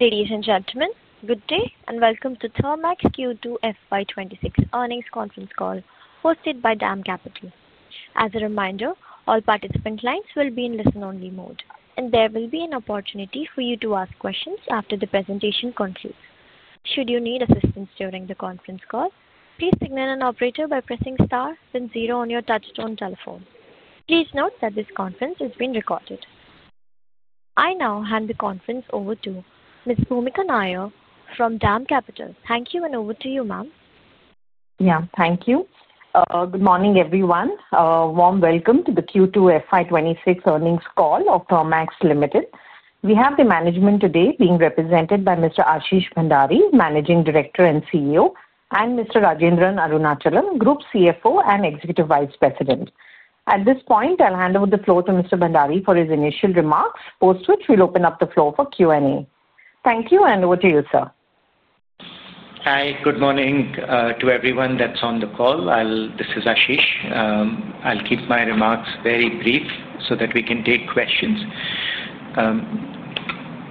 Ladies and gentlemen, good day and welcome to Thermax Q2FY26 Earnings Conference Call, hosted by Dam Capital. As a reminder, all participant lines will be in listen-only mode, and there will be an opportunity for you to ask questions after the presentation concludes. Should you need assistance during the conference call, please signal an operator by pressing star, then zero on your touchstone telephone. Please note that this conference is being recorded. I now hand the conference over to Ms. Bhoomika Nair from Dam Capital. Thank you, and over to you, ma'am. Yeah, thank you. Good morning, everyone. Warm welcome to the Q2FY26 earnings call of Thermax Limited. We have the management today being represented by Mr. Ashish Bhandari, Managing Director and CEO, and Mr. Rajendran Arunachalam, Group CFO and Executive Vice President. At this point, I'll hand over the floor to Mr. Bhandari for his initial remarks, post which we'll open up the floor for Q&A. Thank you, and over to you, sir. Hi, good morning to everyone that's on the call. This is Ashish. I'll keep my remarks very brief so that we can take questions.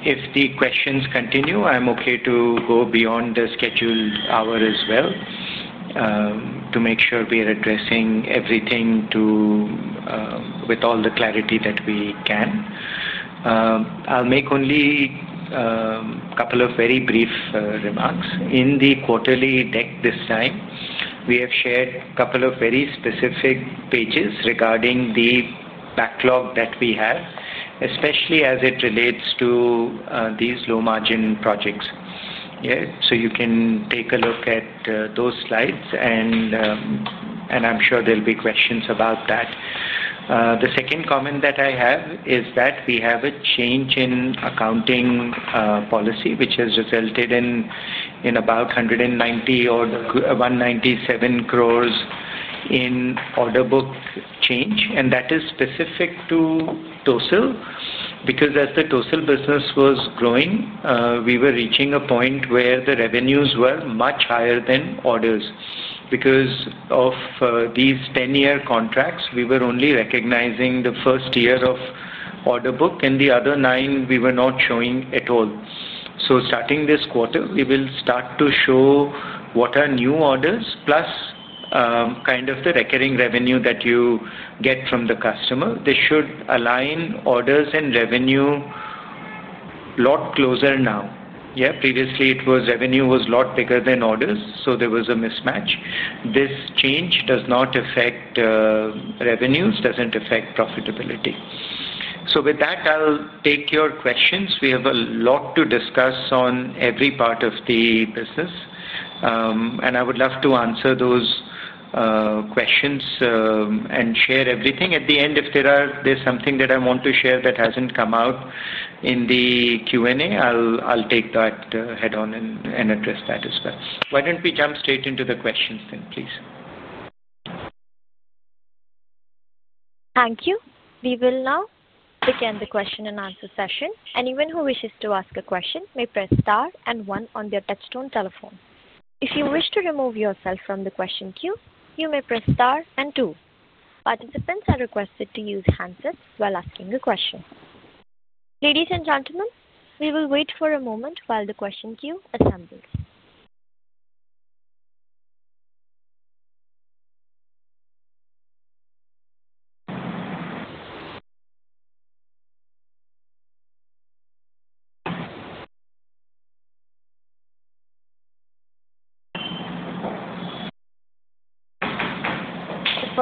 If the questions continue, I'm okay to go beyond the scheduled hour as well to make sure we are addressing everything with all the clarity that we can. I'll make only a couple of very brief remarks. In the quarterly deck this time, we have shared a couple of very specific pages regarding the backlog that we have, especially as it relates to these low-margin projects. You can take a look at those slides, and I'm sure there'll be questions about that. The second comment that I have is that we have a change in accounting policy, which has resulted in about 197 crore in order book change, and that is specific to TOEL because, as the TOEL business was growing, we were reaching a point where the revenues were much higher than orders. Because of these 10-year contracts, we were only recognizing the first year of order book, and the other nine, we were not showing at all. Starting this quarter, we will start to show what are new orders, plus kind of the recurring revenue that you get from the customer. This should align orders and revenue a lot closer now. Previously, revenue was a lot bigger than orders, so there was a mismatch. This change does not affect revenues, does not affect profitability. With that, I'll take your questions. We have a lot to discuss on every part of the business, and I would love to answer those questions and share everything. At the end, if there's something that I want to share that hasn't come out in the Q&A, I'll take that head-on and address that as well. Why don't we jump straight into the questions then, please? Thank you. We will now begin the question-and-answer session. Anyone who wishes to ask a question may press star and one on their touchstone telephone. If you wish to remove yourself from the question queue, you may press star and two. Participants are requested to use handsets while asking a question. Ladies and gentlemen, we will wait for a moment while the question queue assembles.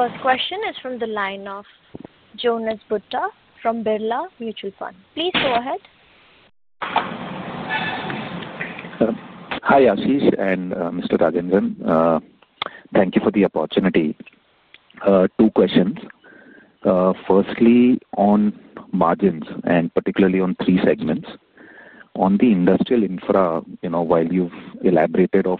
The first question is from the line of Jonas Bhutta from Birla Mutual Fund. Please go ahead. Hi, Ashish and Mr. Rajendran. Thank you for the opportunity. Two questions. Firstly, on margins and particularly on three segments. On the industrial infra, while you've elaborated on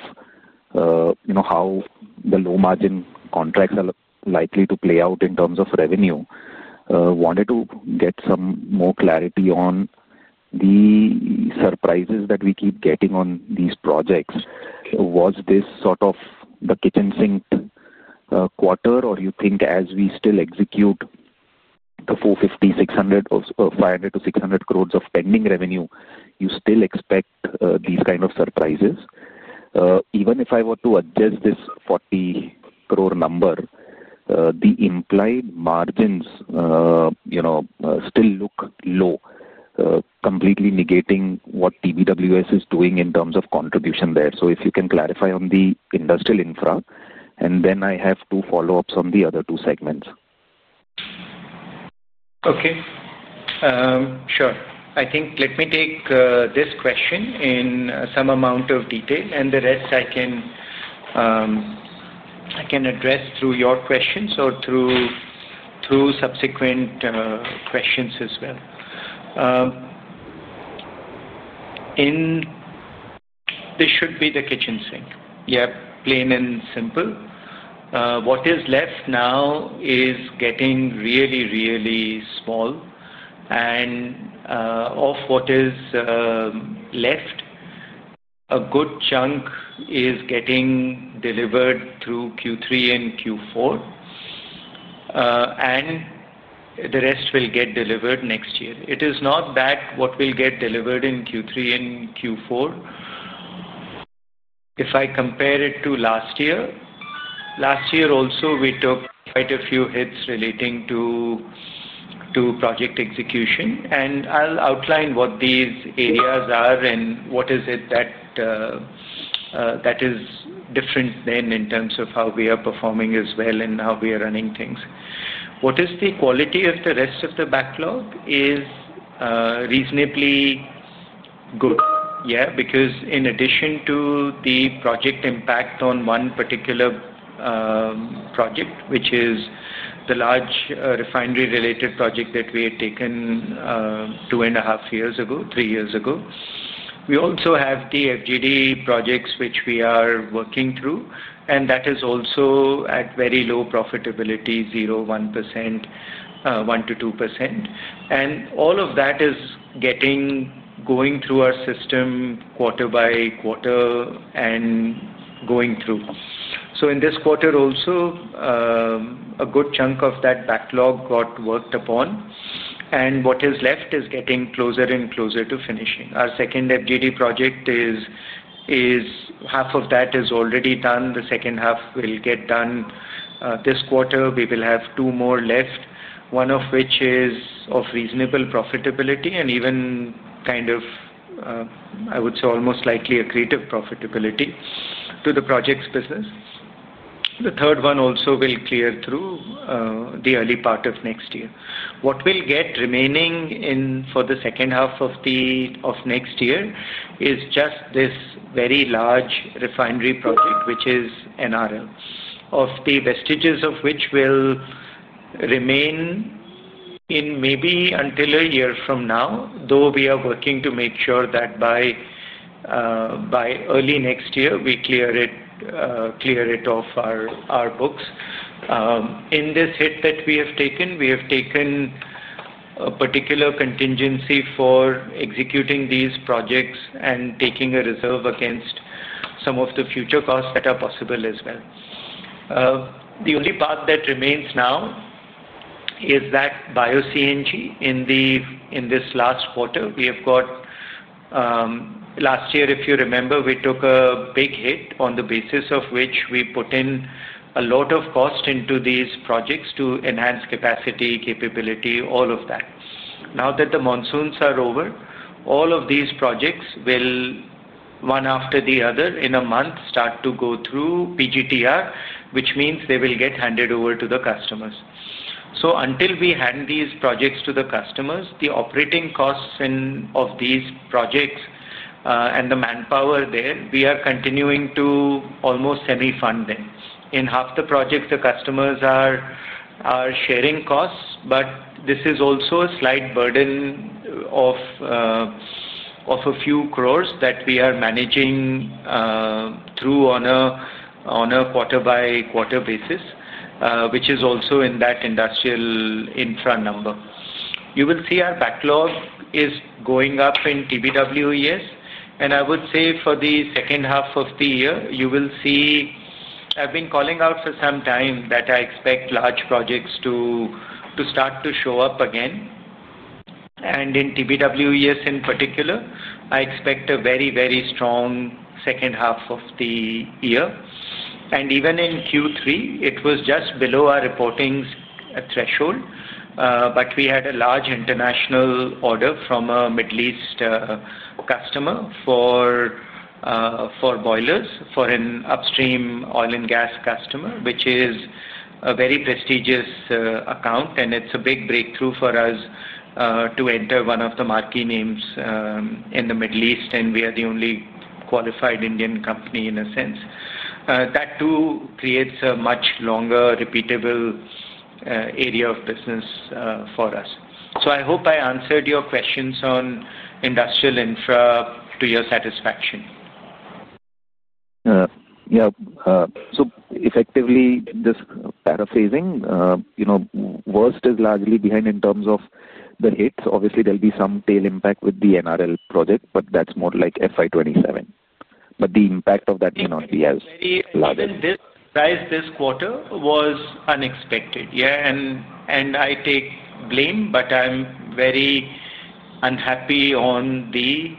how the low-margin contracts are likely to play out in terms of revenue, I wanted to get some more clarity on the surprises that we keep getting on these projects. Was this sort of the kitchen sink quarter, or do you think as we still execute the 450-600 crore of pending revenue, you still expect these kinds of surprises? Even if I were to adjust this 40 crore number, the implied margins still look low, completely negating what TBWES is doing in terms of contribution there. If you can clarify on the industrial infra, and then I have two follow-ups on the other two segments. Okay. Sure. I think let me take this question in some amount of detail, and the rest I can address through your questions or through subsequent questions as well. This should be the kitchen sink. Yeah, plain and simple. What is left now is getting really, really small, and of what is left, a good chunk is getting delivered through Q3 and Q4, and the rest will get delivered next year. It is not that what will get delivered in Q3 and Q4. If I compare it to last year, last year also we took quite a few hits relating to project execution, and I'll outline what these areas are and what is it that is different then in terms of how we are performing as well and how we are running things. What is the quality of the rest of the backlog is reasonably good, yeah, because in addition to the project impact on one particular project, which is the large refinery-related project that we had taken two and a half years ago, three years ago, we also have the FGD projects which we are working through, and that is also at very low profitability, 0%, 1%, 1-2%. All of that is going through our system quarter by quarter and going through. In this quarter also, a good chunk of that backlog got worked upon, and what is left is getting closer and closer to finishing. Our second FGD project is half of that is already done. The second half will get done this quarter. We will have two more left, one of which is of reasonable profitability and even kind of, I would say, almost likely accretive profitability to the project's business. The third one also will clear through the early part of next year. What we'll get remaining for the second half of next year is just this very large refinery project, which is NRL, of the vestiges of which will remain in maybe until a year from now, though we are working to make sure that by early next year, we clear it off our books. In this hit that we have taken, we have taken a particular contingency for executing these projects and taking a reserve against some of the future costs that are possible as well. The only part that remains now is that bio-CNG in this last quarter. Last year, if you remember, we took a big hit on the basis of which we put in a lot of cost into these projects to enhance capacity, capability, all of that. Now that the monsoons are over, all of these projects will, one after the other, in a month, start to go through PGTR, which means they will get handed over to the customers. Until we hand these projects to the customers, the operating costs of these projects and the manpower there, we are continuing to almost semi-fund them. In half the projects, the customers are sharing costs, but this is also a slight burden of a few crores that we are managing through on a quarter-by-quarter basis, which is also in that industrial infra number. You will see our backlog is going up in TBWES, and I would say for the second half of the year, you will see I have been calling out for some time that I expect large projects to start to show up again. In TBWES in particular, I expect a very, very strong second half of the year. Even in Q3, it was just below our reporting threshold, but we had a large international order from a Middle East customer for boilers for an upstream oil and gas customer, which is a very prestigious account, and it is a big breakthrough for us to enter one of the marquee names in the Middle East, and we are the only qualified Indian company in a sense. That too creates a much longer repeatable area of business for us. I hope I answered your questions on industrial infra to your satisfaction. Yeah. So effectively, just paraphrasing, worst is largely behind in terms of the hits. Obviously, there will be some tail impact with the NRL project, but that is more like FY 2027. The impact of that may not be as large. This quarter was unexpected. Yeah, and I take blame, but I'm very unhappy on the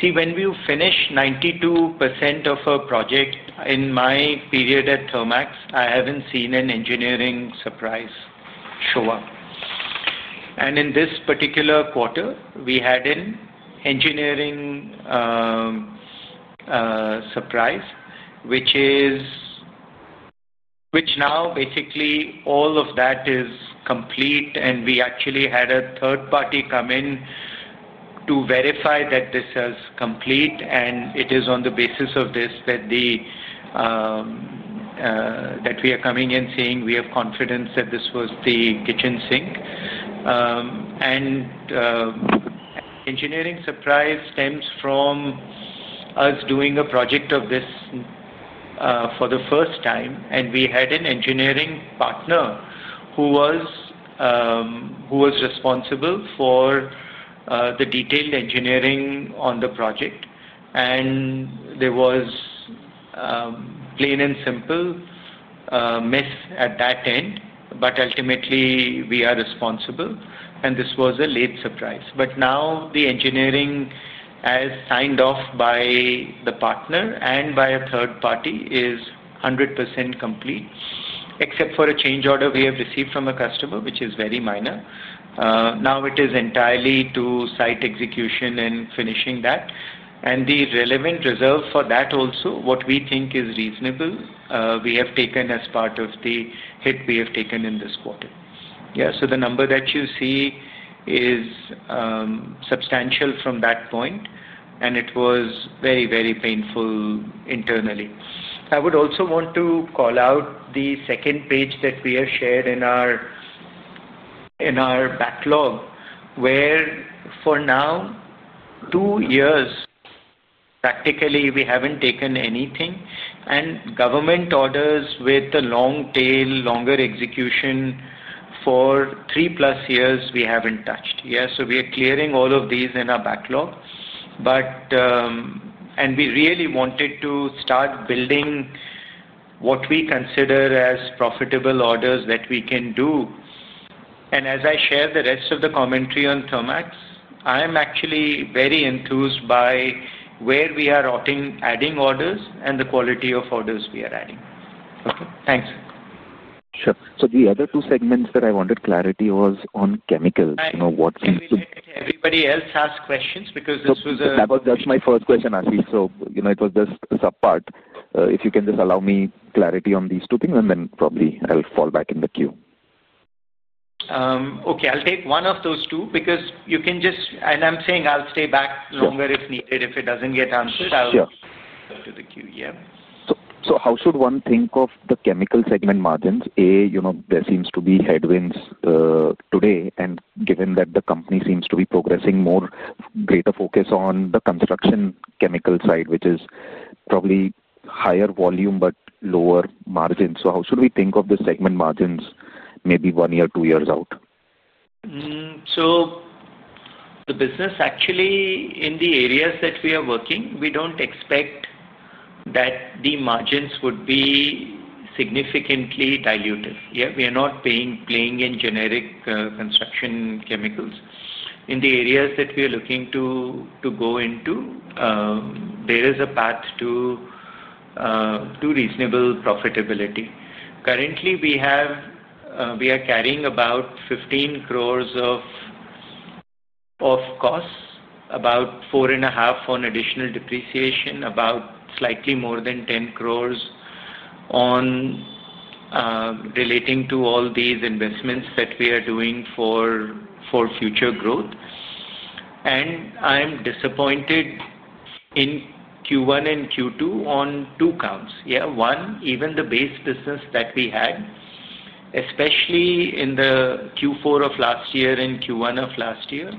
see, when we finish 92% of a project in my period at Thermax, I haven't seen an engineering surprise show up. In this particular quarter, we had an engineering surprise, which now basically all of that is complete, and we actually had a third party come in to verify that this is complete, and it is on the basis of this that we are coming in saying we have confidence that this was the kitchen sink. An engineering surprise stems from us doing a project of this for the first time, and we had an engineering partner who was responsible for the detailed engineering on the project. There was plain and simple miss at that end, but ultimately, we are responsible, and this was a late surprise. Now the engineering has signed off by the partner and by a third party, is 100% complete, except for a change order we have received from a customer, which is very minor. Now it is entirely to site execution and finishing that. The relevant reserve for that also, what we think is reasonable, we have taken as part of the hit we have taken in this quarter. Yeah, so the number that you see is substantial from that point, and it was very, very painful internally. I would also want to call out the second page that we have shared in our backlog where, for now, two years, practically, we have not taken anything, and government orders with the long tail, longer execution for three plus years, we have not touched. Yeah, we are clearing all of these in our backlog, and we really wanted to start building what we consider as profitable orders that we can do. As I share the rest of the commentary on Thermax, I am actually very enthused by where we are adding orders and the quality of orders we are adding. Okay. Thanks. Sure. The other two segments that I wanted clarity was on chemicals. What seems to. Everybody else asked questions because this was a. That was just my first question, Ashish. It was just a subpart. If you can just allow me clarity on these two things, and then probably I'll fall back in the queue. Okay. I'll take one of those two because you can just, and I'm saying I'll stay back longer if needed. If it doesn't get answered, I'll. Sure. To the queue. Yeah. How should one think of the chemical segment margins? A, there seems to be headwinds today, and given that the company seems to be progressing more, greater focus on the construction chemical side, which is probably higher volume but lower margins. How should we think of the segment margins maybe one year, two years out? The business, actually, in the areas that we are working, we do not expect that the margins would be significantly diluted. Yeah, we are not playing in generic construction chemicals. In the areas that we are looking to go into, there is a path to reasonable profitability. Currently, we are carrying about 15 crore of costs, about 4.5 crore on additional depreciation, about slightly more than 10 crore relating to all these investments that we are doing for future growth. I am disappointed in Q1 and Q2 on two counts. Yeah, one, even the base business that we had, especially in the Q4 of last year and Q1 of last year,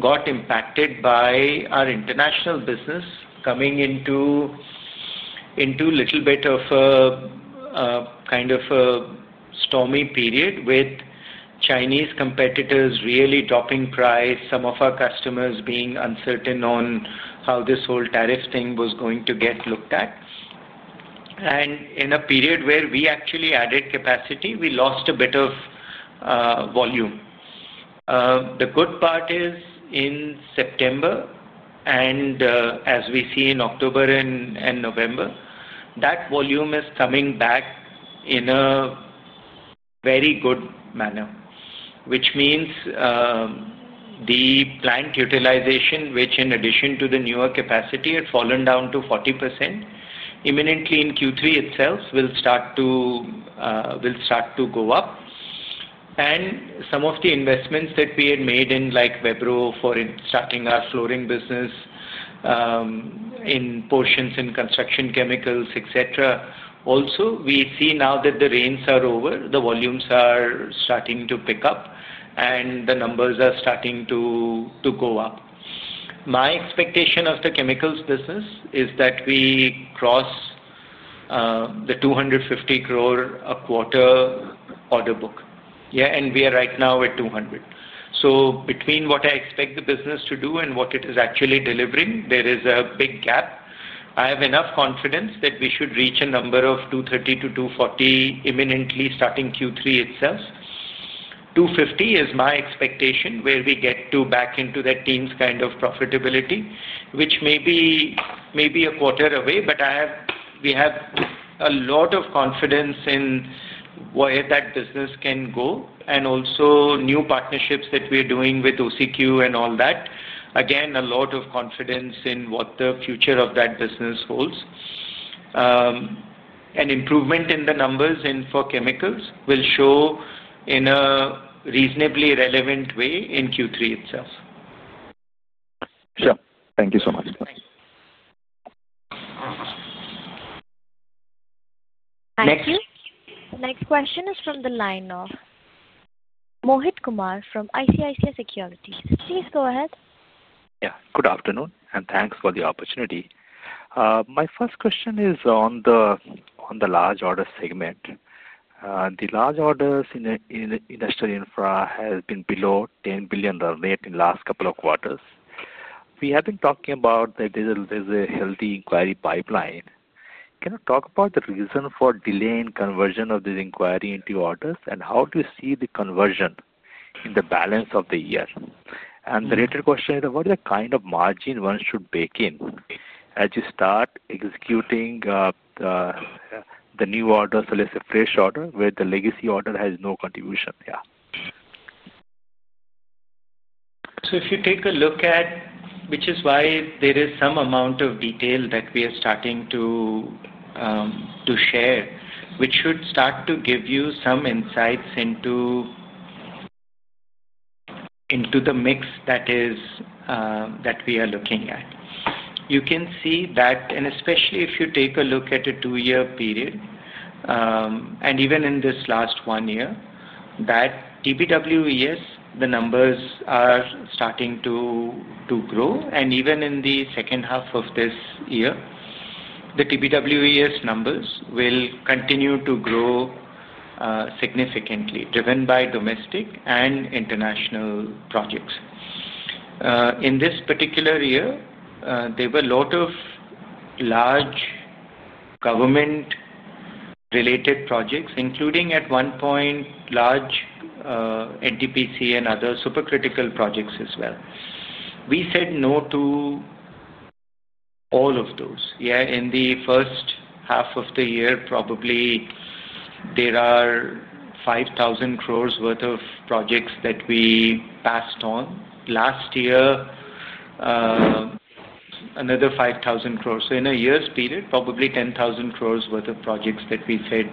got impacted by our international business coming into a little bit of a kind of a stormy period with Chinese competitors really dropping price, some of our customers being uncertain on how this whole tariff thing was going to get looked at. In a period where we actually added capacity, we lost a bit of volume. The good part is in September, and as we see in October and November, that volume is coming back in a very good manner, which means the plant utilization, which in addition to the newer capacity, had fallen down to 40%. Imminently, in Q3 itself, will start to go up. Some of the investments that we had made in Vebro for starting our flooring business in portions in construction chemicals, etc., also, we see now that the rains are over, the volumes are starting to pick up, and the numbers are starting to go up. My expectation of the chemicals business is that we cross the 250 crore a quarter order book. Yeah, and we are right now at 200 crore. Between what I expect the business to do and what it is actually delivering, there is a big gap. I have enough confidence that we should reach a number of 230 crore to 240 crore imminently starting Q3 itself. 250 is my expectation where we get back into that teen's kind of profitability, which may be a quarter away, but we have a lot of confidence in where that business can go and also new partnerships that we are doing with OCQ and all that. Again, a lot of confidence in what the future of that business holds. Improvement in the numbers for chemicals will show in a reasonably relevant way in Q3 itself. Sure. Thank you so much. Thanks. Next? Next question is from the line of Mohit Kumar from ICICI Securities. Please go ahead. Yeah. Good afternoon, and thanks for the opportunity. My first question is on the large order segment. The large orders in industrial infra have been below INR 10 billion rate in the last couple of quarters. We have been talking about that there's a healthy inquiry pipeline. Can you talk about the reason for delay in conversion of the inquiry into orders, and how do you see the conversion in the balance of the year? The later question is, what is the kind of margin one should bake in as you start executing the new order, so let's say fresh order, where the legacy order has no contribution? Yeah. If you take a look at, which is why there is some amount of detail that we are starting to share, which should start to give you some insights into the mix that we are looking at. You can see that, and especially if you take a look at a two-year period, and even in this last one year, that TBWES, the numbers are starting to grow. Even in the second half of this year, the TBWES numbers will continue to grow significantly, driven by domestic and international projects. In this particular year, there were a lot of large government-related projects, including at one point, large NTPC and other supercritical projects as well. We said no to all of those. In the first half of the year, probably there are 5,000 crore worth of projects that we passed on. Last year, another 5,000 crore. In a year's period, probably 10,000 crore worth of projects that we said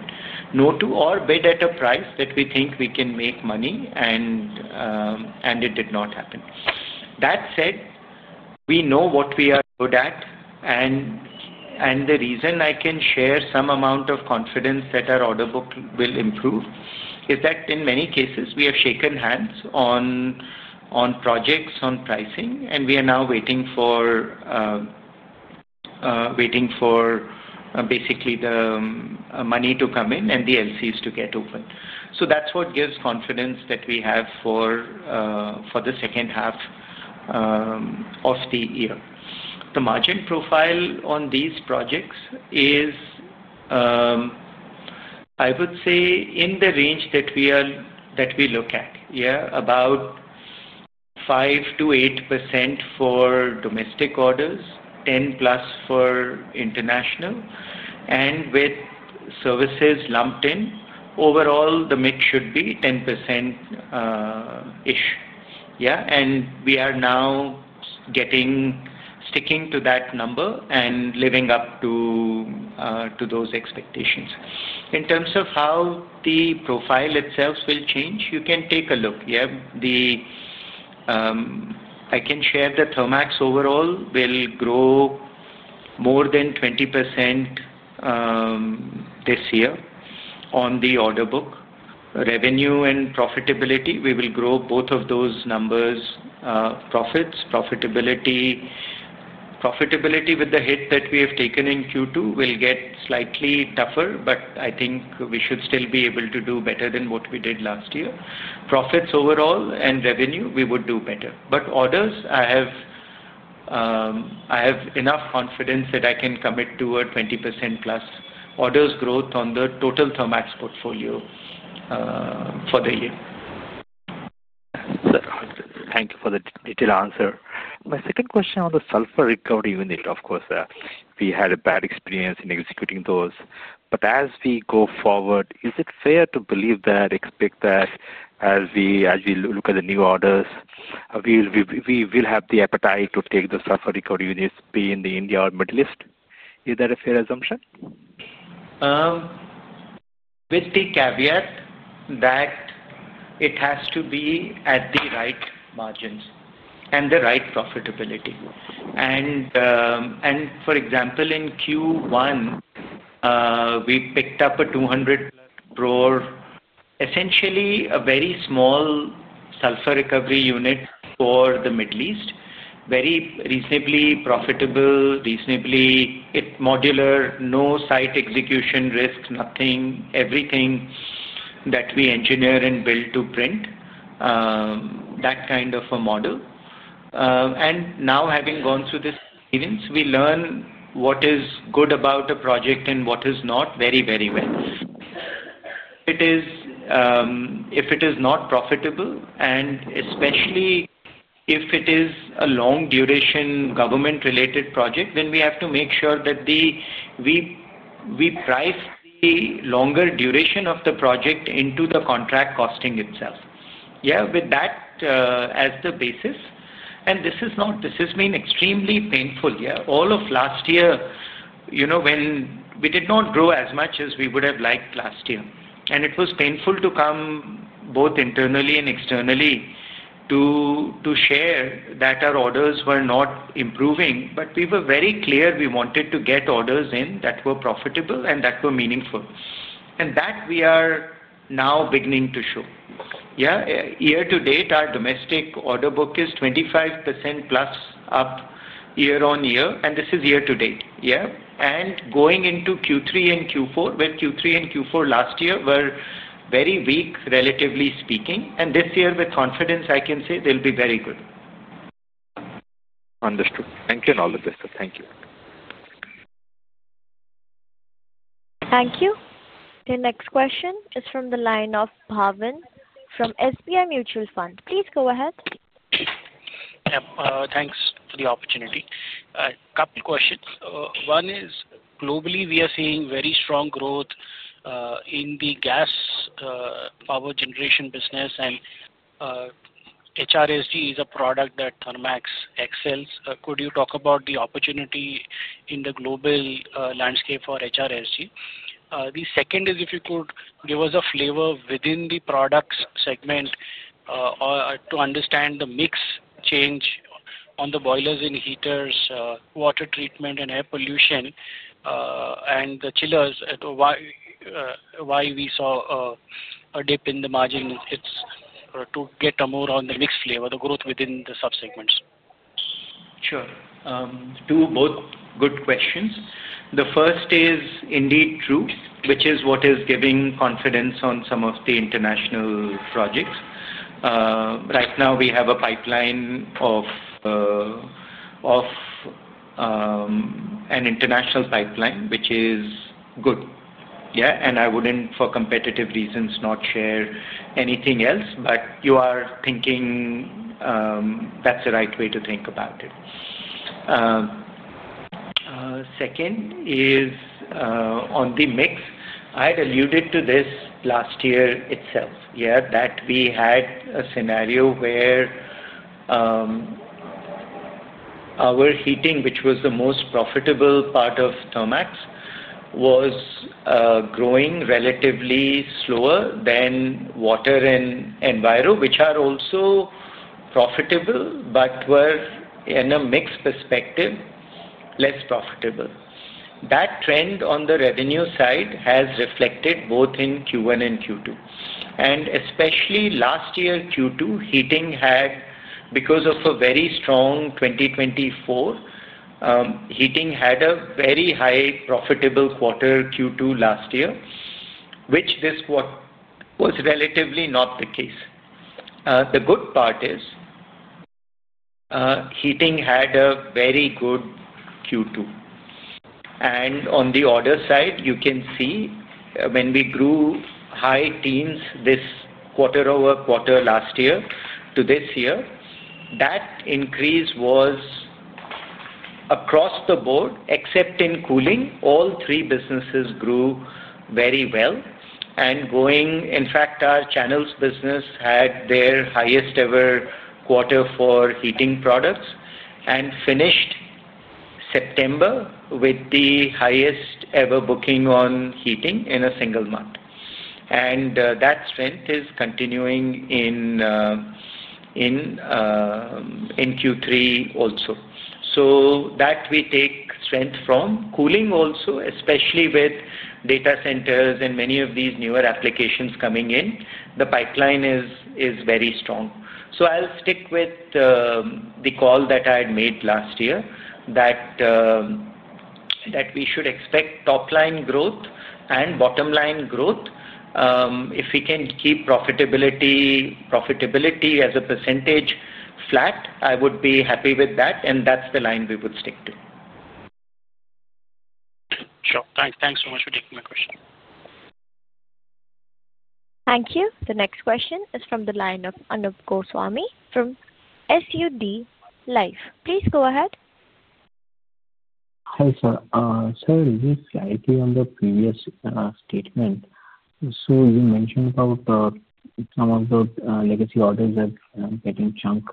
no to or bid at a price that we think we can make money, and it did not happen. That said, we know what we are good at, and the reason I can share some amount of confidence that our order book will improve is that in many cases, we have shaken hands on projects, on pricing, and we are now waiting for basically the money to come in and the LCs to get open. That is what gives confidence that we have for the second half of the year. The margin profile on these projects is, I would say, in the range that we look at, yeah, about 5-8% for domestic orders, 10% plus for international, and with services lumped in, overall, the mix should be 10%-ish. Yeah, and we are now sticking to that number and living up to those expectations. In terms of how the profile itself will change, you can take a look. Yeah, I can share that Thermax overall will grow more than 20% this year on the order book. Revenue and profitability, we will grow both of those numbers, profits, profitability. Profitability with the hit that we have taken in Q2 will get slightly tougher, but I think we should still be able to do better than what we did last year. Profits overall and revenue, we would do better. Orders, I have enough confidence that I can commit to a 20%+ orders growth on the total Thermax portfolio for the year. Thank you for the detailed answer. My second question on the sulfur recovery unit, of course, we had a bad experience in executing those. As we go forward, is it fair to believe that, expect that as we look at the new orders, we will have the appetite to take the sulfur recovery units, be it in India or Middle East? Is that a fair assumption? With the caveat that it has to be at the right margins and the right profitability. For example, in Q1, we picked up a 200-plus crore, essentially a very small sulfur recovery unit for the Middle East, very reasonably profitable, reasonably modular, no site execution risk, nothing, everything that we engineer and build to print, that kind of a model. Now, having gone through this experience, we learn what is good about a project and what is not very, very well. If it is not profitable, and especially if it is a long-duration government-related project, then we have to make sure that we price the longer duration of the project into the contract costing itself. Yeah, with that as the basis. This has been extremely painful. Yeah, all of last year, we did not grow as much as we would have liked last year. It was painful to come both internally and externally to share that our orders were not improving, but we were very clear we wanted to get orders in that were profitable and that were meaningful. That we are now beginning to show. Year to date, our domestic order book is 25% plus up year-on-year, and this is year to date. Going into Q3 and Q4, where Q3 and Q4 last year were very weak, relatively speaking, this year, with confidence, I can say they will be very good. Understood. Thank you and all the best. Thank you. Thank you. The next question is from the line of Bhavin from SBI Mutual Fund. Please go ahead. Yeah, thanks for the opportunity. Couple of questions. One is, globally, we are seeing very strong growth in the gas power generation business, and HRSG is a product that Thermax excels. Could you talk about the opportunity in the global landscape for HRSG? The second is, if you could give us a flavor within the product segment to understand the mix change on the boilers and heaters, water treatment and air pollution, and the chillers, why we saw a dip in the margin to get a more on the mix flavor, the growth within the subsegments. Sure. Two both good questions. The first is indeed true, which is what is giving confidence on some of the international projects. Right now, we have an international pipeline, which is good. Yeah, and I would not, for competitive reasons, share anything else, but you are thinking that is the right way to think about it. Second is on the mix, I had alluded to this last year itself, yeah, that we had a scenario where our heating, which was the most profitable part of Thermax, was growing relatively slower than water and Enviro, which are also profitable, but were in a mixed perspective, less profitable. That trend on the revenue side has reflected both in Q1 and Q2. Especially last year, Q2, heating had, because of a very strong 2024, heating had a very high profitable quarter Q2 last year, which this quarter was relatively not the case. The good part is heating had a very good Q2. On the order side, you can see when we grew high teens this quarter over quarter last year to this year, that increase was across the board, except in cooling. All three businesses grew very well. In fact, our channels business had their highest ever quarter for heating products and finished September with the highest ever booking on heating in a single month. That strength is continuing in Q3 also. We take strength from cooling also, especially with data centers and many of these newer applications coming in, the pipeline is very strong. I'll stick with the call that I had made last year that we should expect top-line growth and bottom-line growth. If we can keep profitability as a percentage flat, I would be happy with that, and that's the line we would stick to. Sure. Thanks so much for taking my question. Thank you. The next question is from the line of Anup Goswami from SUD Life. Please go ahead. Hi sir. Sir, this slightly on the previous statement. So you mentioned about some of the legacy orders that are getting chunk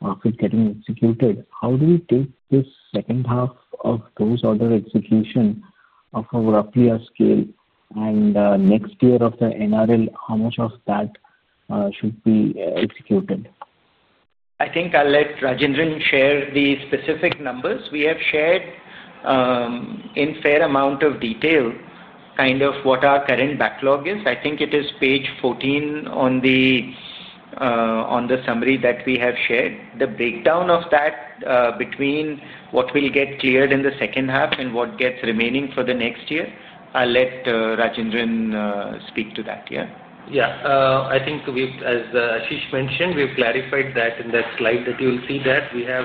or getting executed. How do we take this second half of those order execution of a roughly a scale and next year of the NRL, how much of that should be executed? I think I'll let Rajendran share the specific numbers. We have shared in fair amount of detail kind of what our current backlog is. I think it is page 14 on the summary that we have shared. The breakdown of that between what will get cleared in the second half and what gets remaining for the next year, I'll let Rajendran speak to that. Yeah. Yeah, I think as Ashish mentioned, we've clarified that in that slide that you'll see that we have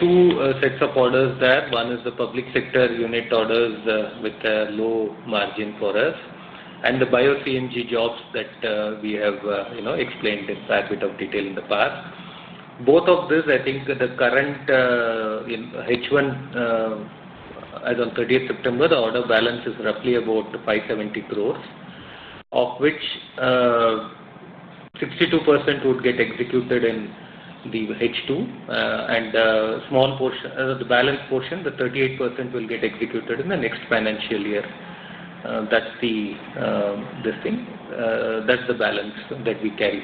two sets of orders there. One is the public sector unit orders with a low margin for us and the bio-CNG jobs that we have explained in quite a bit of detail in the past. Both of this, I think the current H1, as of 30 September, the order balance is roughly about 570 crore, of which 62% would get executed in the H2 and the small portion, the balance portion, the 38% will get executed in the next financial year. That's the thing. That's the balance that we carry.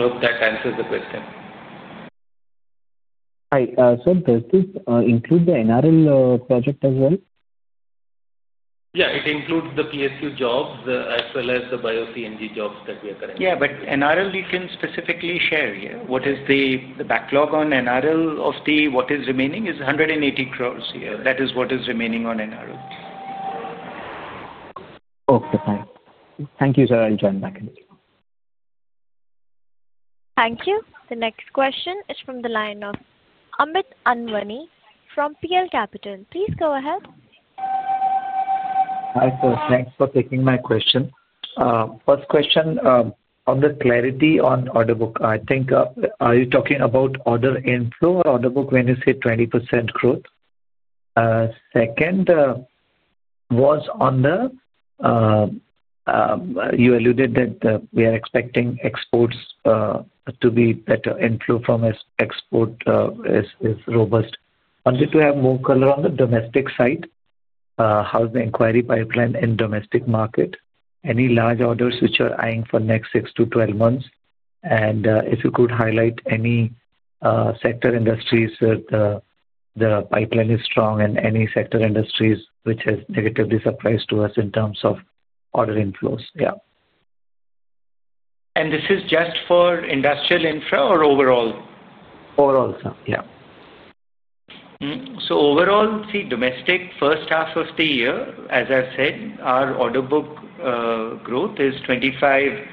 I hope that answers the question. Hi. Sir, does this include the NRL project as well? Yeah, it includes the PSU jobs as well as the bio-CNG jobs that we are currently. Yeah, NRL, we can specifically share here. What is the backlog on NRL, what is remaining is 180 crore here. That is what is remaining on NRL. Okay. Thank you. Thank you, sir. I'll join back in. Thank you. The next question is from the line of Amit Anwani from PL Capital. Please go ahead. Hi sir. Thanks for taking my question. First question on the clarity on order book. I think are you talking about order inflow or order book when you say 20% growth? Second was on the you alluded that we are expecting exports to be better. Inflow from export is robust. Wanted to have more color on the domestic side, how the inquiry pipeline in domestic market, any large orders which are eyeing for next 6 to 12 months, and if you could highlight any sector industries where the pipeline is strong and any sector industries which has negatively surprised to us in terms of order inflows. Yeah. Is this just for industrial infra or overall? Overall, sir. Yeah. Overall, see, domestic first half of the year, as I've said, our order book growth is 25%.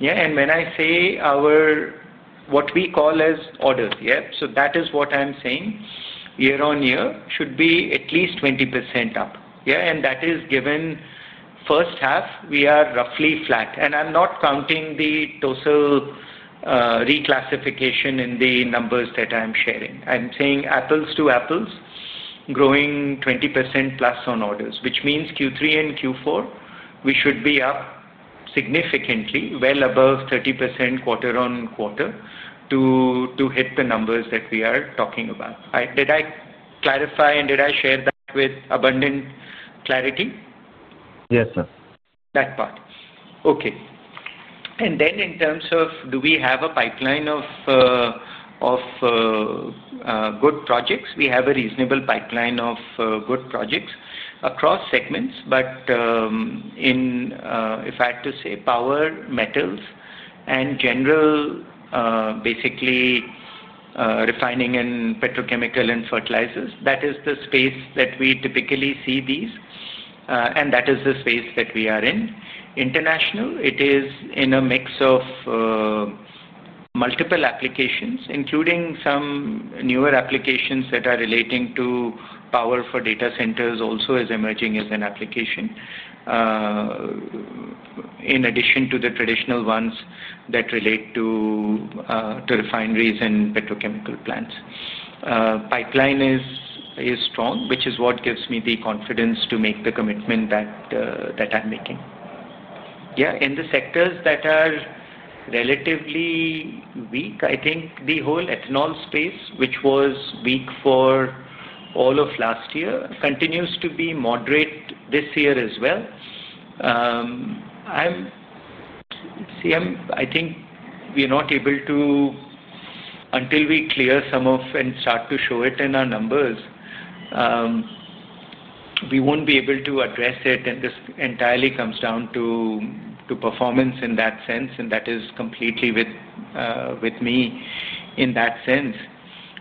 Yeah, and when I say our what we call as orders, yeah, so that is what I'm saying year-on-year should be at least 20% up. Yeah, and that is given first half, we are roughly flat. And I'm not counting the total reclassification in the numbers that I'm sharing. I'm saying apples to apples growing 20% plus on orders, which means Q3 and Q4, we should be up significantly, well above 30% quarter on quarter to hit the numbers that we are talking about. Did I clarify and did I share that with abundant clarity? Yes, sir. That part. Okay. In terms of do we have a pipeline of good projects? We have a reasonable pipeline of good projects across segments, but if I had to say power, metals, and general, basically refining and petrochemical and fertilizers, that is the space that we typically see these, and that is the space that we are in. International, it is in a mix of multiple applications, including some newer applications that are relating to power for data centers also is emerging as an application in addition to the traditional ones that relate to refineries and petrochemical plants. Pipeline is strong, which is what gives me the confidence to make the commitment that I'm making. Yeah, in the sectors that are relatively weak, I think the whole ethanol space, which was weak for all of last year, continues to be moderate this year as well. See, I think we are not able to until we clear some of and start to show it in our numbers, we won't be able to address it, and this entirely comes down to performance in that sense, and that is completely with me in that sense.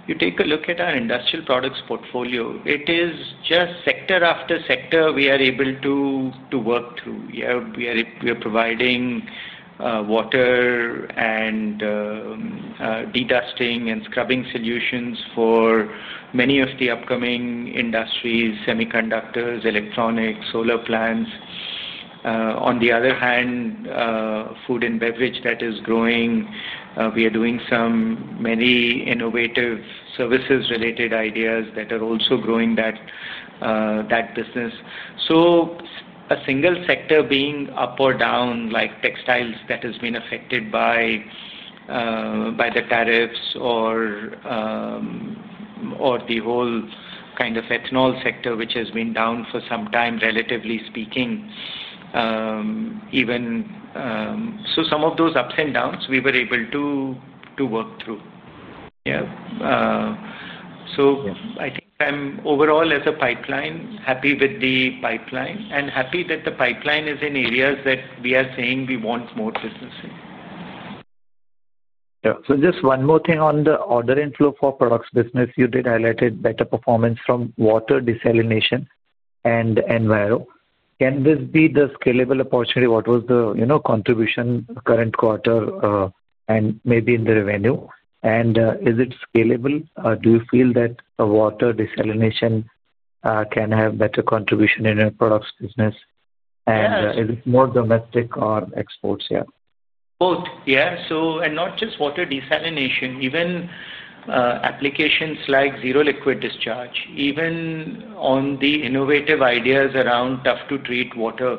You take a look at our industrial products portfolio. It is just sector after sector we are able to work through. Yeah, we are providing water and de-dusting and scrubbing solutions for many of the upcoming industries, semiconductors, electronics, solar plants. On the other hand, food and beverage that is growing, we are doing so many innovative services-related ideas that are also growing that business. A single sector being up or down like textiles that has been affected by the tariffs or the whole kind of ethanol sector, which has been down for some time, relatively speaking, even so some of those ups and downs, we were able to work through. Yeah. I think overall as a pipeline, I am happy with the pipeline and happy that the pipeline is in areas that we are saying we want more business in. Yeah. So just one more thing on the order inflow for products business. You did highlight better performance from water desalination and Enviro. Can this be the scalable opportunity? What was the contribution current quarter and maybe in the revenue? Is it scalable? Do you feel that water desalination can have better contribution in your products business? Is it more domestic or exports? Yeah. Both. Yeah. Not just water desalination, even applications like zero liquid discharge, even on the innovative ideas around tough-to-treat water,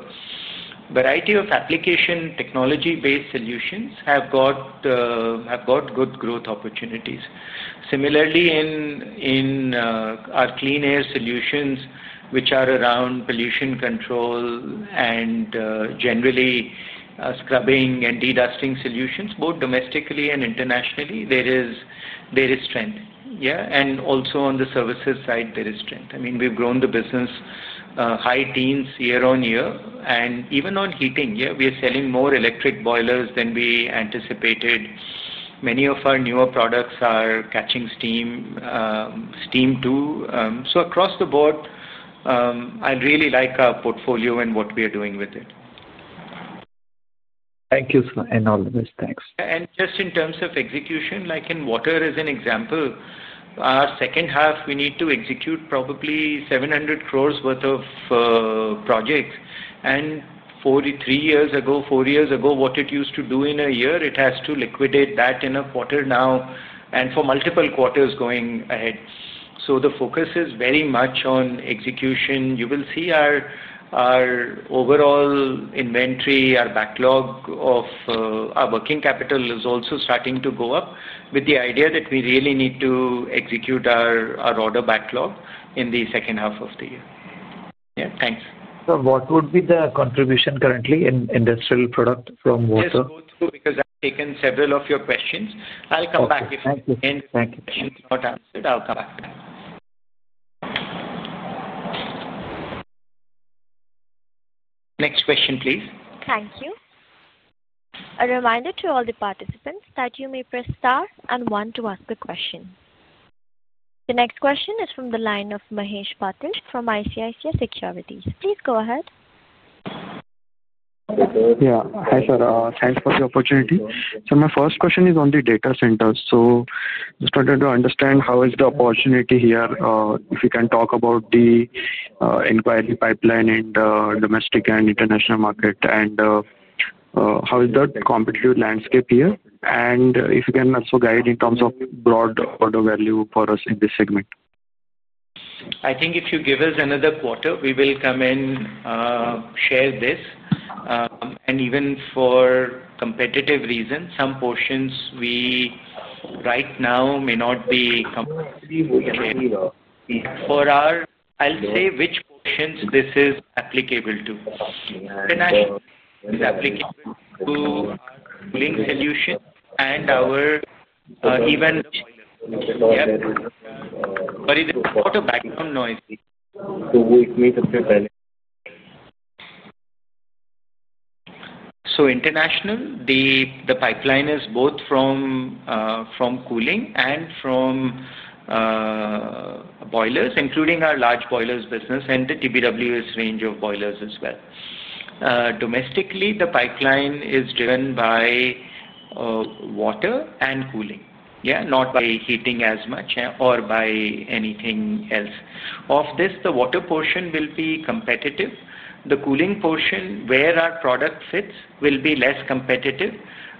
variety of application technology-based solutions have got good growth opportunities. Similarly, in our clean air solutions, which are around pollution control and generally scrubbing and de-dusting solutions, both domestically and internationally, there is strength. Yeah. Also on the services side, there is strength. I mean, we've grown the business high teens year on-year. Even on heating, yeah, we are selling more electric boilers than we anticipated. Many of our newer products are catching steam, steam too. Across the board, I really like our portfolio and what we are doing with it. Thank you, sir. All the best. Thanks. In terms of execution, like in water as an example, our second half, we need to execute probably 700 crore worth of projects. Three years ago, four years ago, what it used to do in a year, it has to liquidate that in a quarter now and for multiple quarters going ahead. The focus is very much on execution. You will see our overall inventory, our backlog of our working capital is also starting to go up with the idea that we really need to execute our order backlog in the second half of the year. Yeah. Thanks. Sir, what would be the contribution currently in industrial product from water? Just go through because I've taken several of your questions. I'll come back if you can't answer it. I'll come back. Next question, please. Thank you. A reminder to all the participants that you may press star and one to ask a question. The next question is from the line of Mahesh Bhatin from ICICI Securities. Please go ahead. Yeah. Hi sir. Thanks for the opportunity. My first question is on the data centers. I just wanted to understand how is the opportunity here if you can talk about the inquiry pipeline in domestic and international market and how is the competitive landscape here? If you can also guide in terms of broad order value for us in this segment. I think if you give us another quarter, we will come and share this. Even for competitive reasons, some portions we right now may not be able to. For our, I'll say which portions this is applicable to. International is applicable to our cooling solution and our even yep. Sorry, there's a lot of background noise. We'll meet in a few minutes. Internationally, the pipeline is both from cooling and from boilers, including our large boilers business and the TBWES range of boilers as well. Domestically, the pipeline is driven by water and cooling, not by heating as much or by anything else. Of this, the water portion will be competitive. The cooling portion, where our product fits, will be less competitive.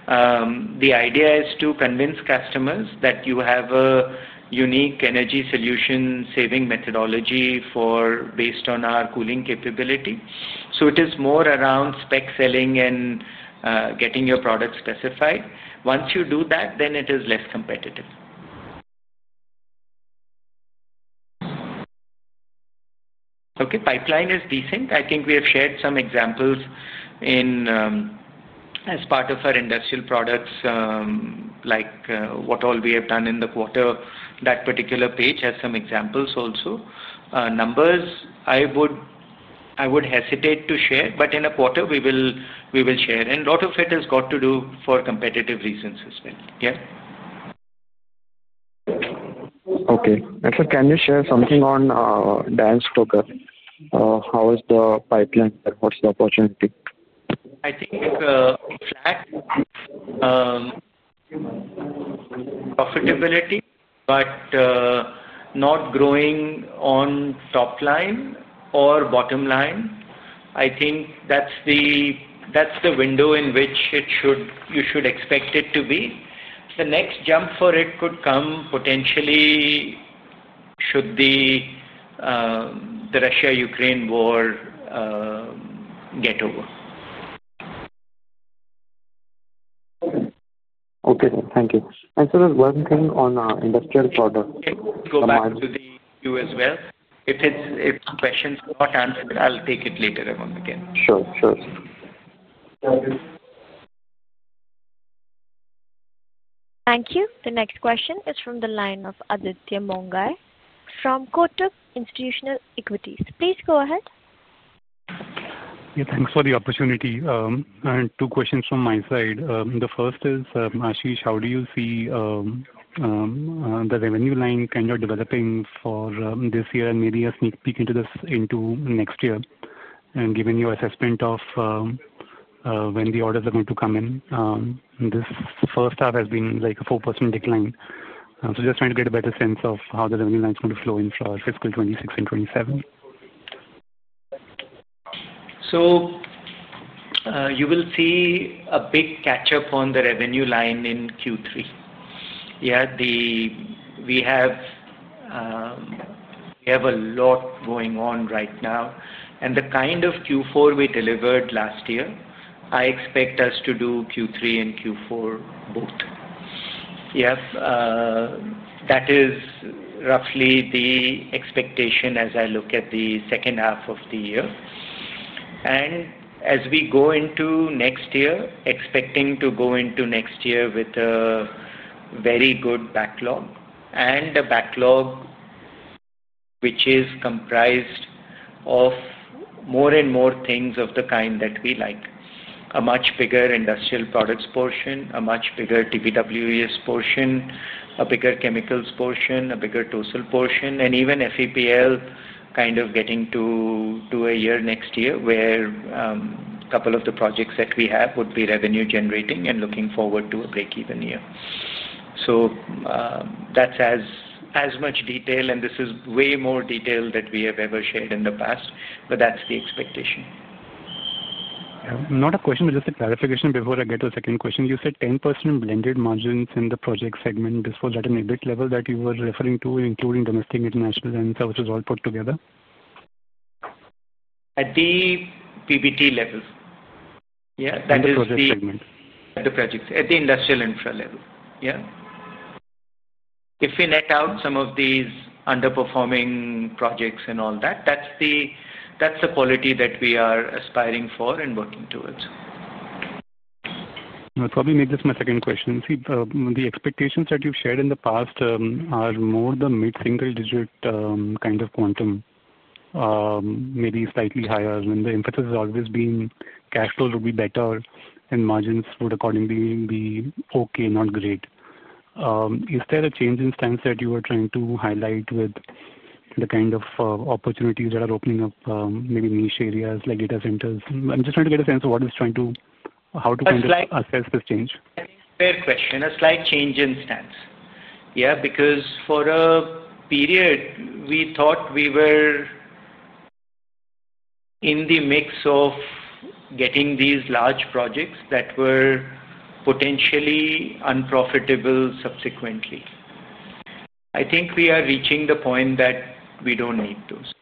The idea is to convince customers that you have a unique energy solution saving methodology based on our cooling capability. It is more around spec selling and getting your product specified. Once you do that, then it is less competitive. Pipeline is decent. I think we have shared some examples as part of our industrial products like what all we have done in the quarter. That particular page has some examples also. Numbers, I would hesitate to share, but in a quarter, we will share. A lot of it has got to do for competitive reasons as well. Yeah. Okay. Sir, can you share something on Dam's talk? How is the pipeline? What's the opportunity? I think flat profitability, but not growing on top line or bottom line. I think that's the window in which you should expect it to be. The next jump for it could come potentially should the Russia-Ukraine war get over. Okay. Thank you. Sir, one thing on industrial product. Go back to the Q as well. If the question's not answered, I'll take it later on again. Sure. Sure. Thank you. The next question is from the line of Aditya Mongai from Kotak Institutional Equities. Please go ahead. Yeah. Thanks for the opportunity. Two questions from my side. The first is, Ashish, how do you see the revenue line kind of developing for this year and maybe a sneak peek into next year, and giving your assessment of when the orders are going to come in? This first half has been like a 4% decline. Just trying to get a better sense of how the revenue line is going to flow in for our fiscal 2026 and 2027. You will see a big catch-up on the revenue line in Q3. Yeah, we have a lot going on right now. The kind of Q4 we delivered last year, I expect us to do Q3 and Q4 both. Yeah. That is roughly the expectation as I look at the second half of the year. As we go into next year, expecting to go into next year with a very good backlog and a backlog which is comprised of more and more things of the kind that we like. A much bigger industrial products portion, a much bigger TBWES portion, a bigger chemicals portion, a bigger TOEL portion, and even FEPL kind of getting to a year next year where a couple of the projects that we have would be revenue-generating and looking forward to a break-even year. That's as much detail, and this is way more detail that we have ever shared in the past, but that's the expectation. Not a question, but just a clarification before I get to the second question. You said 10% blended margins in the project segment. Is that an EBIT level that you were referring to, including domestic, international, and services all put together? At the PBT level. Yeah. That is the. At the project segment. At the projects. At the industrial infra level. Yeah. If we net out some of these underperforming projects and all that, that's the quality that we are aspiring for and working towards. That's probably made this my second question. See, the expectations that you've shared in the past are more the mid-single digit kind of quantum, maybe slightly higher, and the emphasis has always been cash flow will be better and margins would accordingly be okay, not great. Is there a change in stance that you are trying to highlight with the kind of opportunities that are opening up maybe niche areas like data centers? I'm just trying to get a sense of what is trying to how to kind of assess this change. A fair question. A slight change in stance. Yeah, because for a period, we thought we were in the mix of getting these large projects that were potentially unprofitable subsequently. I think we are reaching the point that we do not need those.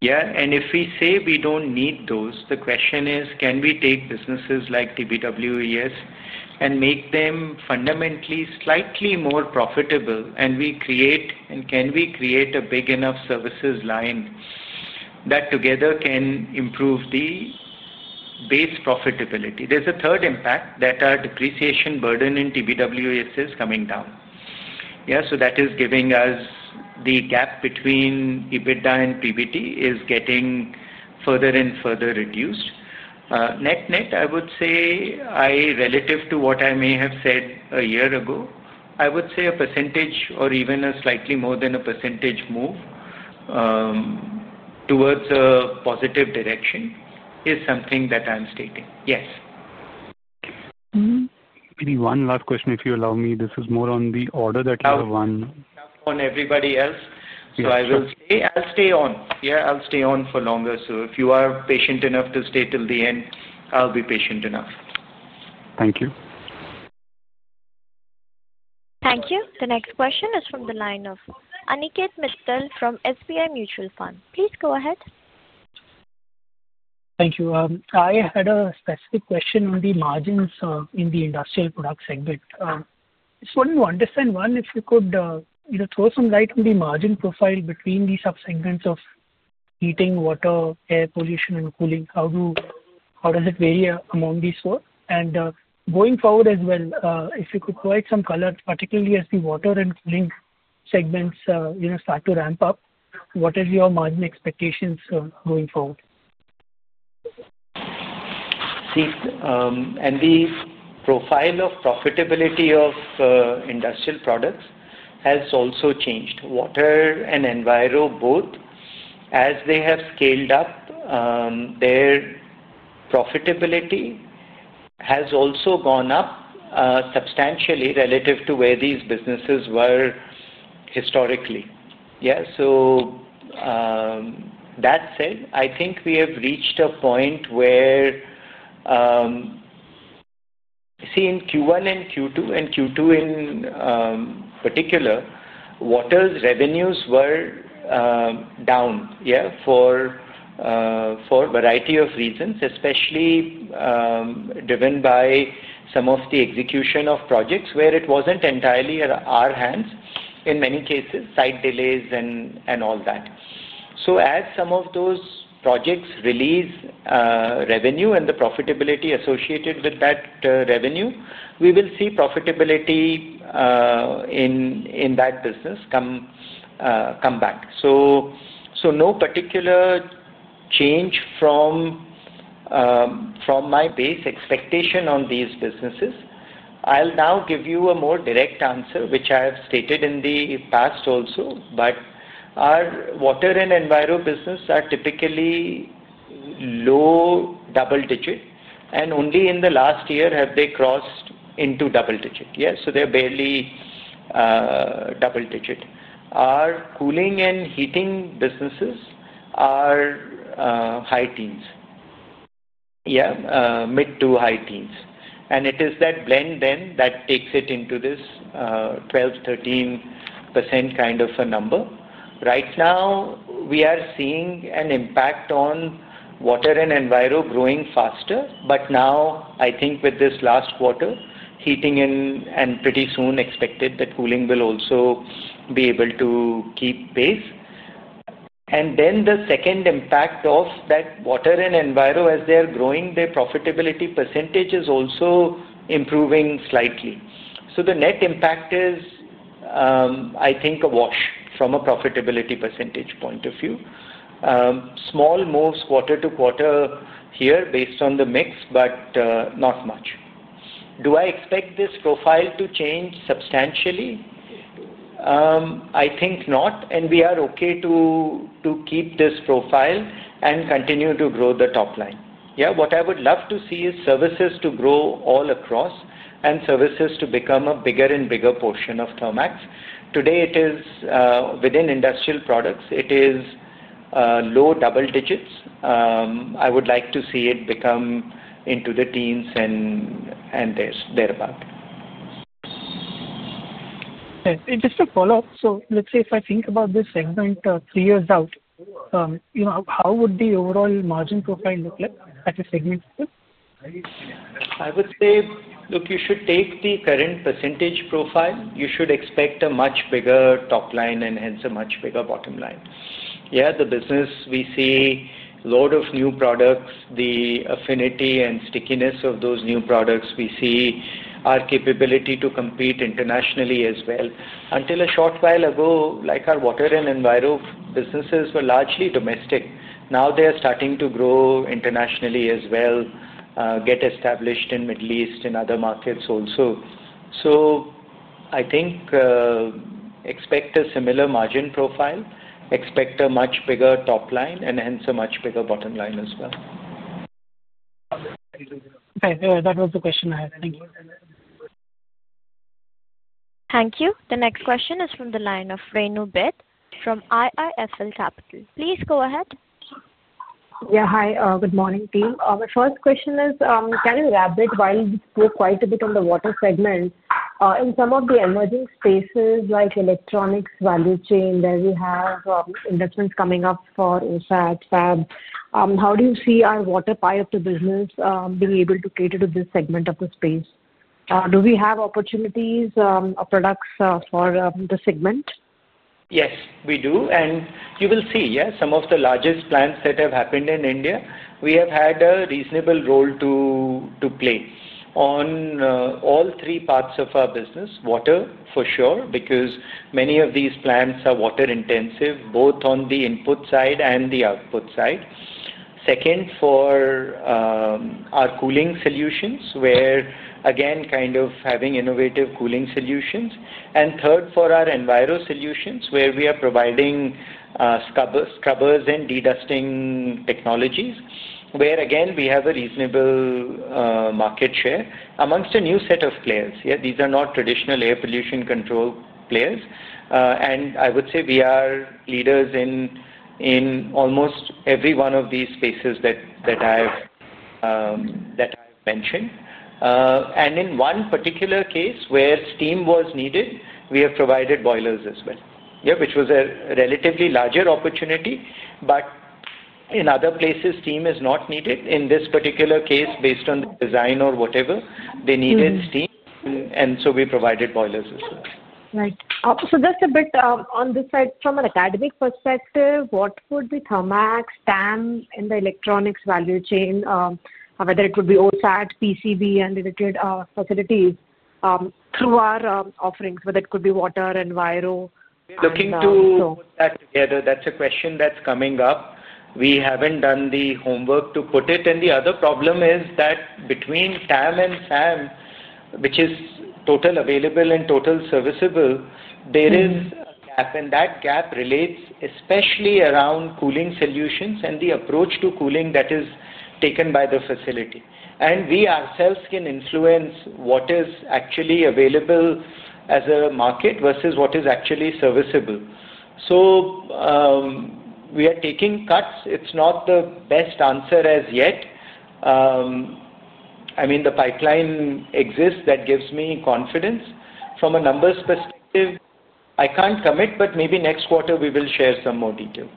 Yeah. If we say we do not need those, the question is, can we take businesses like TBWES and make them fundamentally slightly more profitable, and can we create a big enough services line that together can improve the base profitability? There is a third impact that our depreciation burden in TBWES is coming down. Yeah. That is giving us the gap between EBITDA and PBT is getting further and further reduced. Net net, I would say, relative to what I may have said a year ago, I would say a % or even a slightly more than a % move towards a positive direction is something that I'm stating. Yes. Maybe one last question, if you allow me. This is more on the order that you have on. On everybody else. I will stay on. Yeah. I'll stay on for longer. If you are patient enough to stay till the end, I'll be patient enough. Thank you. Thank you. The next question is from the line of Aniket Mittal from SBI Mutual Fund. Please go ahead. Thank you. I had a specific question on the margins in the industrial product segment. Just wanted to understand, one, if you could throw some light on the margin profile between these subsegments of heating, water, air pollution, and cooling. How does it vary among these four? If you could provide some color, particularly as the water and cooling segments start to ramp up, what are your margin expectations going forward? See, and the profile of profitability of industrial products has also changed. Water and Enviro, both, as they have scaled up, their profitability has also gone up substantially relative to where these businesses were historically. Yeah. That said, I think we have reached a point where, see, in Q1 and Q2, and Q2 in particular, water's revenues were down, yeah, for a variety of reasons, especially driven by some of the execution of projects where it was not entirely in our hands in many cases, site delays and all that. As some of those projects release revenue and the profitability associated with that revenue, we will see profitability in that business come back. No particular change from my base expectation on these businesses. I'll now give you a more direct answer, which I have stated in the past also, but our water and Enviro business are typically low double digit, and only in the last year have they crossed into double digit. Yeah. So they're barely double digit. Our cooling and heating businesses are high teens. Yeah. Mid to high teens. And it is that blend then that takes it into this 12-13% kind of a number. Right now, we are seeing an impact on water and Enviro growing faster, but now, I think with this last quarter, heating and pretty soon expected that cooling will also be able to keep pace. And then the second impact of that water and Enviro, as they are growing, their profitability percentage is also improving slightly. So the net impact is, I think, a wash from a profitability percentage point of view. Small moves quarter to quarter here based on the mix, but not much. Do I expect this profile to change substantially? I think not, and we are okay to keep this profile and continue to grow the top line. Yeah. What I would love to see is services to grow all across and services to become a bigger and bigger portion of Thermax. Today, within industrial products, it is low double digits. I would like to see it become into the teens and thereabout. Just to follow up, if I think about this segment three years out, how would the overall margin profile look like at this segment? I would say, look, you should take the current % profile. You should expect a much bigger top line and hence a much bigger bottom line. Yeah. The business we see, a lot of new products, the affinity and stickiness of those new products we see, our capability to compete internationally as well. Until a short while ago, our water and Enviro businesses were largely domestic. Now they are starting to grow internationally as well, get established in the Middle East, in other markets also. I think expect a similar margin profile, expect a much bigger top line, and hence a much bigger bottom line as well. Okay. That was the question I had. Thank you. Thank you. The next question is from the line of Renu Beth from IIFL Capital. Please go ahead. Yeah. Hi. Good morning, team. My first question is, can you wrap it while we spoke quite a bit on the water segment? In some of the emerging spaces like electronics, value chain, where we have investments coming up for OFAC, FAB, how do you see our water pipe to business being able to cater to this segment of the space? Do we have opportunities of products for the segment? Yes, we do. You will see, yeah, some of the largest plants that have happened in India, we have had a reasonable role to play on all three parts of our business. Water, for sure, because many of these plants are water-intensive, both on the input side and the output side. Second, for our cooling solutions, where, again, kind of having innovative cooling solutions. Third, for our Enviro solutions, where we are providing scrubbers and de-dusting technologies, where, again, we have a reasonable market share amongst a new set of players. These are not traditional air pollution control players. I would say we are leaders in almost every one of these spaces that I've mentioned. In one particular case where steam was needed, we have provided boilers as well, which was a relatively larger opportunity, but in other places, steam is not needed. In this particular case, based on the design or whatever, they needed steam, and so we provided boilers as well. Right. So just a bit on this side, from an academic perspective, what would be Thermax, TAM, and the electronics value chain, whether it would be OFAC, PCB, and related facilities through our offerings, whether it could be water, Enviro? Looking to put that together, that's a question that's coming up. We haven't done the homework to put it. The other problem is that between TAM and SAM, which is total available and total serviceable, there is a gap, and that gap relates especially around cooling solutions and the approach to cooling that is taken by the facility. We ourselves can influence what is actually available as a market versus what is actually serviceable. We are taking cuts. It's not the best answer as yet. I mean, the pipeline exists that gives me confidence. From a numbers perspective, I can't commit, but maybe next quarter, we will share some more detail.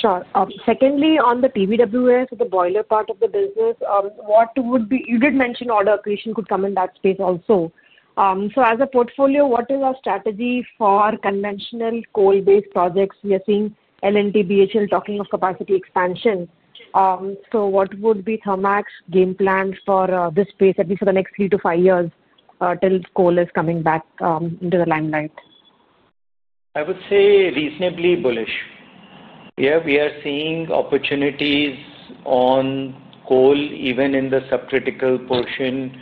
Sure. Secondly, on the TBWES, the boiler part of the business, what would be, you did mention order creation could come in that space also. So as a portfolio, what is our strategy for conventional coal-based projects? We are seeing L&T, BHEL talking of capacity expansion. What would be Thermax' game plan for this space, at least for the next three to five years till coal is coming back into the limelight? I would say reasonably bullish. Yeah. We are seeing opportunities on coal, even in the subcritical portion.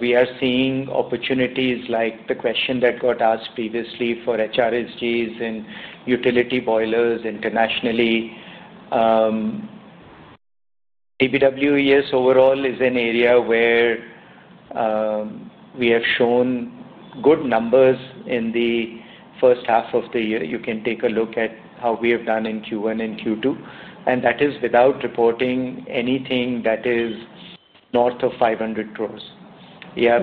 We are seeing opportunities like the question that got asked previously for HRSGs and utility boilers internationally. TBWES overall is an area where we have shown good numbers in the first half of the year. You can take a look at how we have done in Q1 and Q2, and that is without reporting anything that is north of 500 trills. Yeah.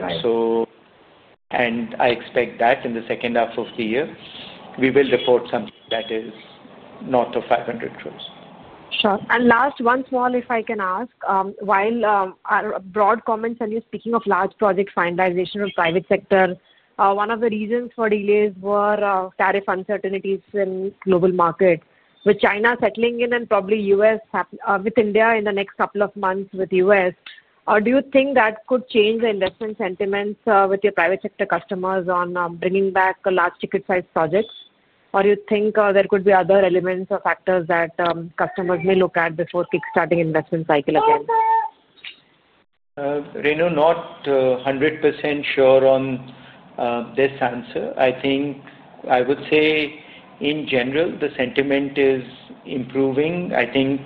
I expect that in the second half of the year, we will report something that is north of 500 trills. Sure. Last, one small, if I can ask, while broad comments and you're speaking of large project finalization of private sector, one of the reasons for delays were tariff uncertainties in global market with China settling in and probably U.S. with India in the next couple of months with U.S. Do you think that could change the investment sentiments with your private sector customers on bringing back large ticket-sized projects, or do you think there could be other elements or factors that customers may look at before kickstarting investment cycle again? Renu, not 100% sure on this answer. I think I would say, in general, the sentiment is improving. I think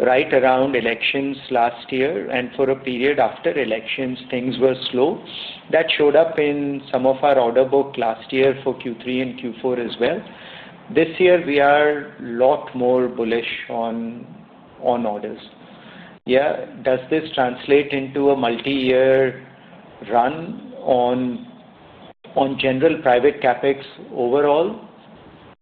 right around elections last year and for a period after elections, things were slow. That showed up in some of our order book last year for Q3 and Q4 as well. This year, we are a lot more bullish on orders. Yeah. Does this translate into a multi-year run on general private CapEx overall?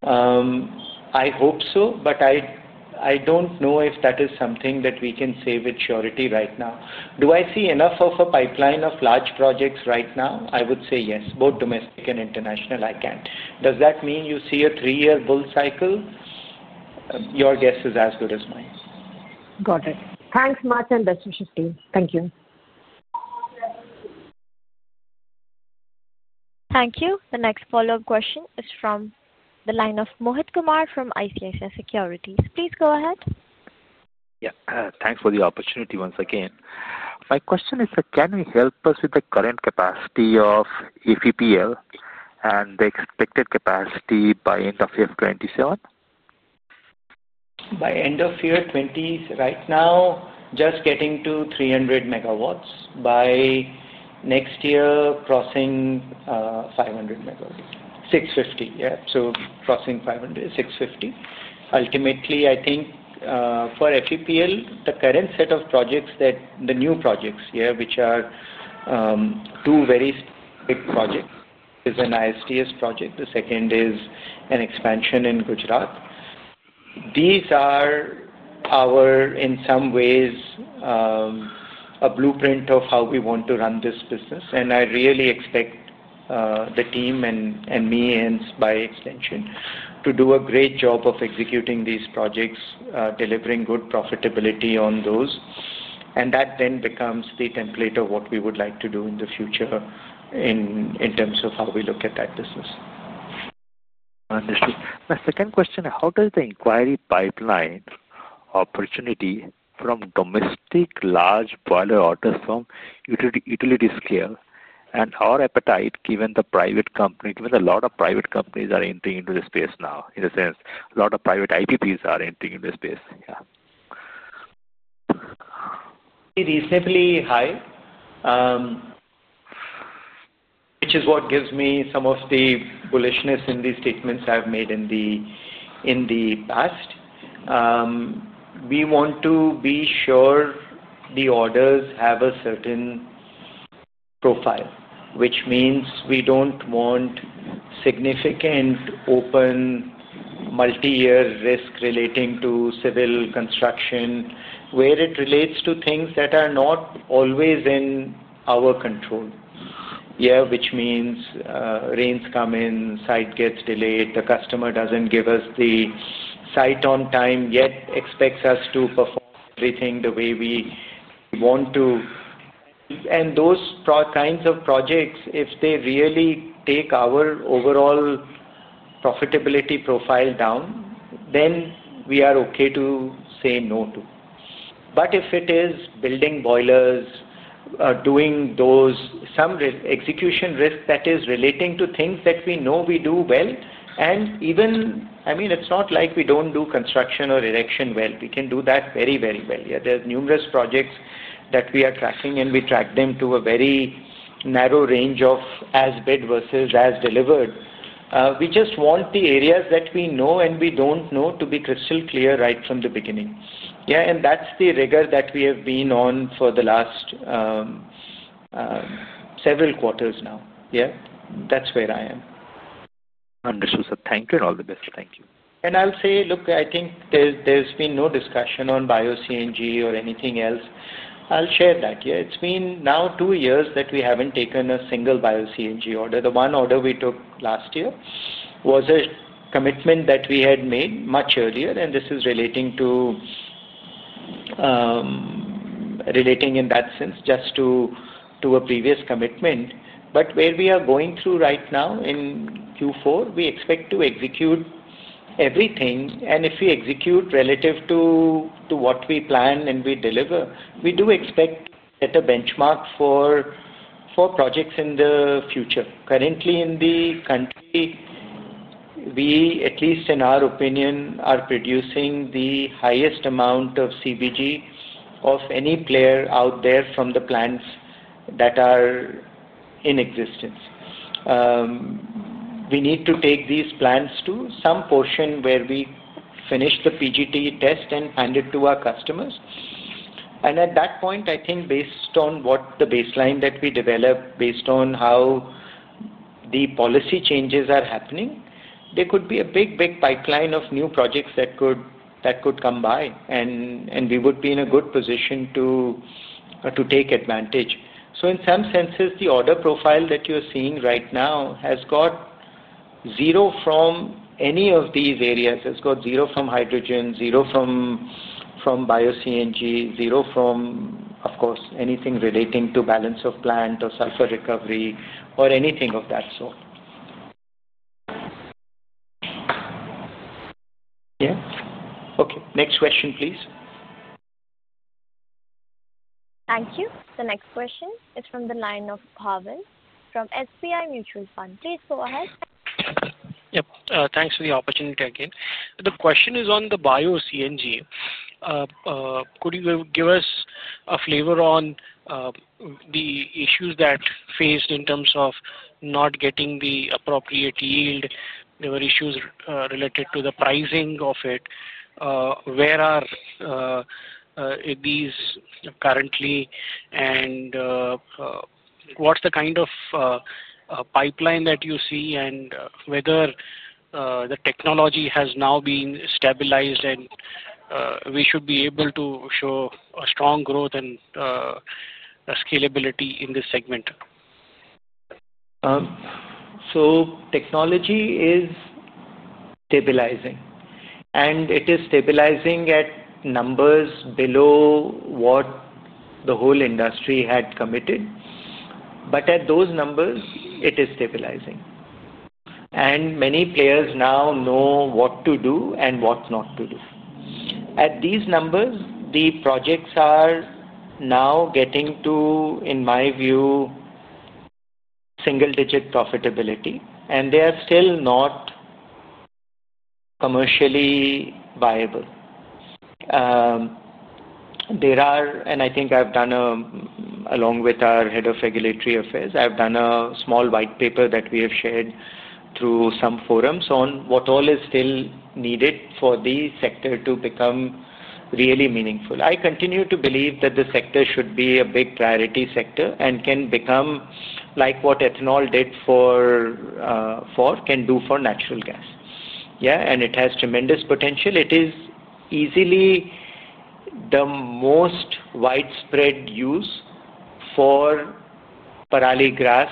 I hope so, but I do not know if that is something that we can say with surety right now. Do I see enough of a pipeline of large projects right now? I would say yes. Both domestic and international, I can. Does that mean you see a three-year bull cycle? Your guess is as good as mine. Got it. Thanks much and best wishes, team. Thank you. Thank you. The next follow-up question is from the line of Mohit Kumar from ICICI Securities. Please go ahead. Yeah. Thanks for the opportunity once again. My question is, can you help us with the current capacity of APPL and the expected capacity by end of year 2027? By end of year 2020, right now, just getting to 300 megawatts. By next year, crossing 500 megawatts. 650, yeah. Crossing 650. Ultimately, I think for APPL, the current set of projects, the new projects, yeah, which are two very big projects. There is an ISTS project. The second is an expansion in Gujarat. These are, in some ways, a blueprint of how we want to run this business. I really expect the team and me and, by extension, to do a great job of executing these projects, delivering good profitability on those. That then becomes the template of what we would like to do in the future in terms of how we look at that business. Understood. My second question, how does the inquiry pipeline opportunity from domestic large boiler orders from utility scale and our appetite, given the private company, given a lot of private companies are entering into the space now, in a sense, a lot of private IPPs are entering into the space. Yeah. Reasonably high, which is what gives me some of the bullishness in the statements I've made in the past. We want to be sure the orders have a certain profile, which means we don't want significant open multi-year risk relating to civil construction where it relates to things that are not always in our control. Yeah. Which means rains come in, site gets delayed, the customer doesn't give us the site on time yet, expects us to perform everything the way we want to. Those kinds of projects, if they really take our overall profitability profile down, then we are okay to say no to. If it is building boilers, doing those, some execution risk that is relating to things that we know we do well. Even, I mean, it's not like we don't do construction or erection well. We can do that very, very well. Yeah. There are numerous projects that we are tracking, and we track them to a very narrow range of as-bid versus as-delivered. We just want the areas that we know and we do not know to be crystal clear right from the beginning. Yeah. That is the rigor that we have been on for the last several quarters now. Yeah. That is where I am. Understood. Thank you and all the best. Thank you. I think there's been no discussion on bio-CNG or anything else. I'll share that. Yeah. It's been now two years that we haven't taken a single bio-CNG order. The one order we took last year was a commitment that we had made much earlier, and this is relating in that sense just to a previous commitment. Where we are going through right now in Q4, we expect to execute everything. If we execute relative to what we plan and we deliver, we do expect to set a benchmark for projects in the future. Currently, in the country, we, at least in our opinion, are producing the highest amount of CBG of any player out there from the plants that are in existence. We need to take these plants to some portion where we finish the PGTR test and hand it to our customers. At that point, I think based on what the baseline that we develop, based on how the policy changes are happening, there could be a big, big pipeline of new projects that could come by, and we would be in a good position to take advantage. In some senses, the order profile that you're seeing right now has got zero from any of these areas. It's got zero from hydrogen, zero from bio-CNG, zero from, of course, anything relating to balance of plant or sulfur recovery or anything of that sort. Yeah. Okay. Next question, please. Thank you. The next question is from the line of Pavel from SBI Mutual Fund. Please go ahead. Yep. Thanks for the opportunity again. The question is on the bio-CNG. Could you give us a flavor on the issues that faced in terms of not getting the appropriate yield? There were issues related to the pricing of it. Where are these currently? What is the kind of pipeline that you see and whether the technology has now been stabilized and we should be able to show a strong growth and scalability in this segment? Technology is stabilizing, and it is stabilizing at numbers below what the whole industry had committed. At those numbers, it is stabilizing. Many players now know what to do and what not to do. At these numbers, the projects are now getting to, in my view, single-digit profitability, and they are still not commercially viable. I think I have done, along with our Head of Regulatory Affairs, a small white paper that we have shared through some forums on what all is still needed for the sector to become really meaningful. I continue to believe that the sector should be a big priority sector and can become like what ethanol did for, can do for natural gas. Yeah. It has tremendous potential. It is easily the most widespread use for paralegrass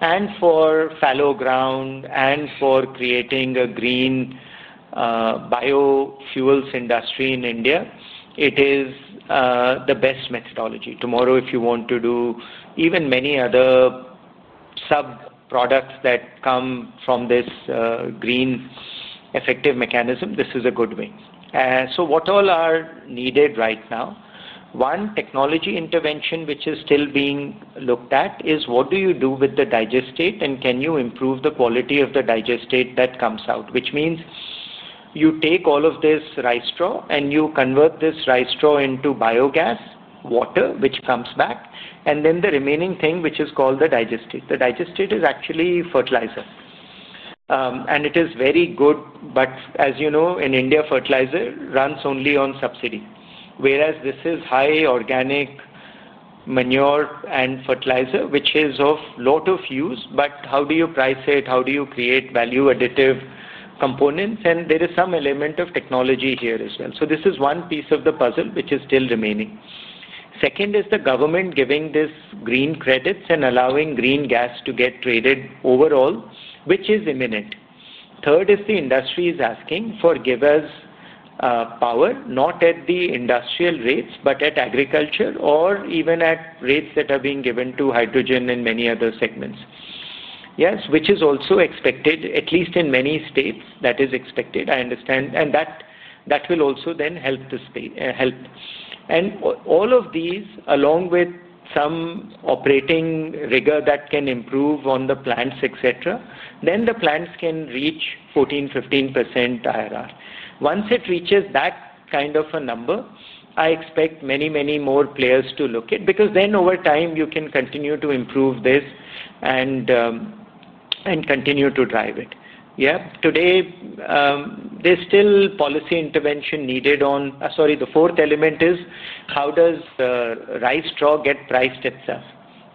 and for fallow ground and for creating a green biofuels industry in India. It is the best methodology. Tomorrow, if you want to do even many other sub-products that come from this green effective mechanism, this is a good way. What all are needed right now? One technology intervention which is still being looked at is what do you do with the digestate, and can you improve the quality of the digestate that comes out? Which means you take all of this rice straw and you convert this rice straw into biogas water, which comes back, and then the remaining thing, which is called the digestate. The digestate is actually fertilizer. It is very good, but as you know, in India, fertilizer runs only on subsidy, whereas this is high organic manure and fertilizer, which is of a lot of use. How do you price it? How do you create value-additive components? There is some element of technology here as well. This is one piece of the puzzle which is still remaining. Second is the government giving these green credits and allowing green gas to get traded overall, which is imminent. Third is the industry is asking for givers power, not at the industrial rates, but at agriculture or even at rates that are being given to hydrogen and many other segments. Yes, which is also expected, at least in many states, that is expected, I understand. That will also then help the state. All of these, along with some operating rigor that can improve on the plants, etc., then the plants can reach 14%-15% IRR. Once it reaches that kind of a number, I expect many, many more players to look at because then over time, you can continue to improve this and continue to drive it. Yeah. Today, there is still policy intervention needed on, sorry, the fourth element is how does the rice straw get priced itself?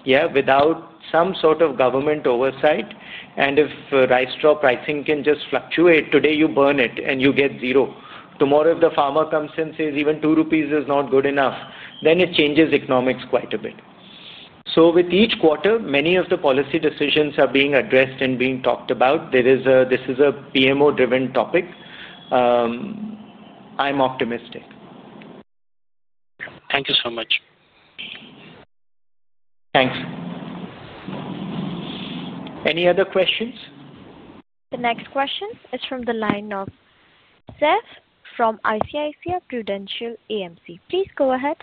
Yeah. Without some sort of government oversight, and if rice straw pricing can just fluctuate, today you burn it and you get zero. Tomorrow, if the farmer comes and says even 2 rupees is not good enough, then it changes economics quite a bit. With each quarter, many of the policy decisions are being addressed and being talked about. This is a PMO-driven topic. I'm optimistic. Thank you so much. Thanks. Any other questions? The next question is from the line of Seth from ICICI Prudential AMC. Please go ahead.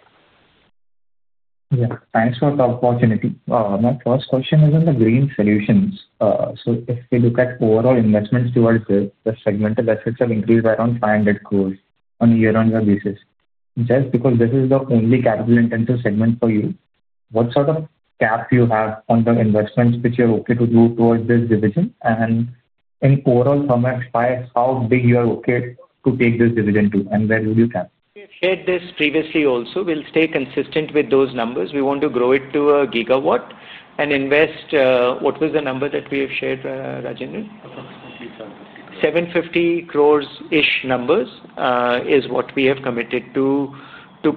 Yeah. Thanks for the opportunity. My first question is on the green solutions. If we look at overall investments towards this, the segmental assets have increased by around 500 crore on a year-on-year basis. Just because this is the only capital-intensive segment for you, what sort of cap do you have on the investments which you're okay to do towards this division? In overall terms, how big you are okay to take this division to, and where will you cap? We have shared this previously also. We'll stay consistent with those numbers. We want to grow it to a gigawatt and invest. What was the number that we have shared, Rajendran? 750 crore. 750 crore-ish numbers is what we have committed to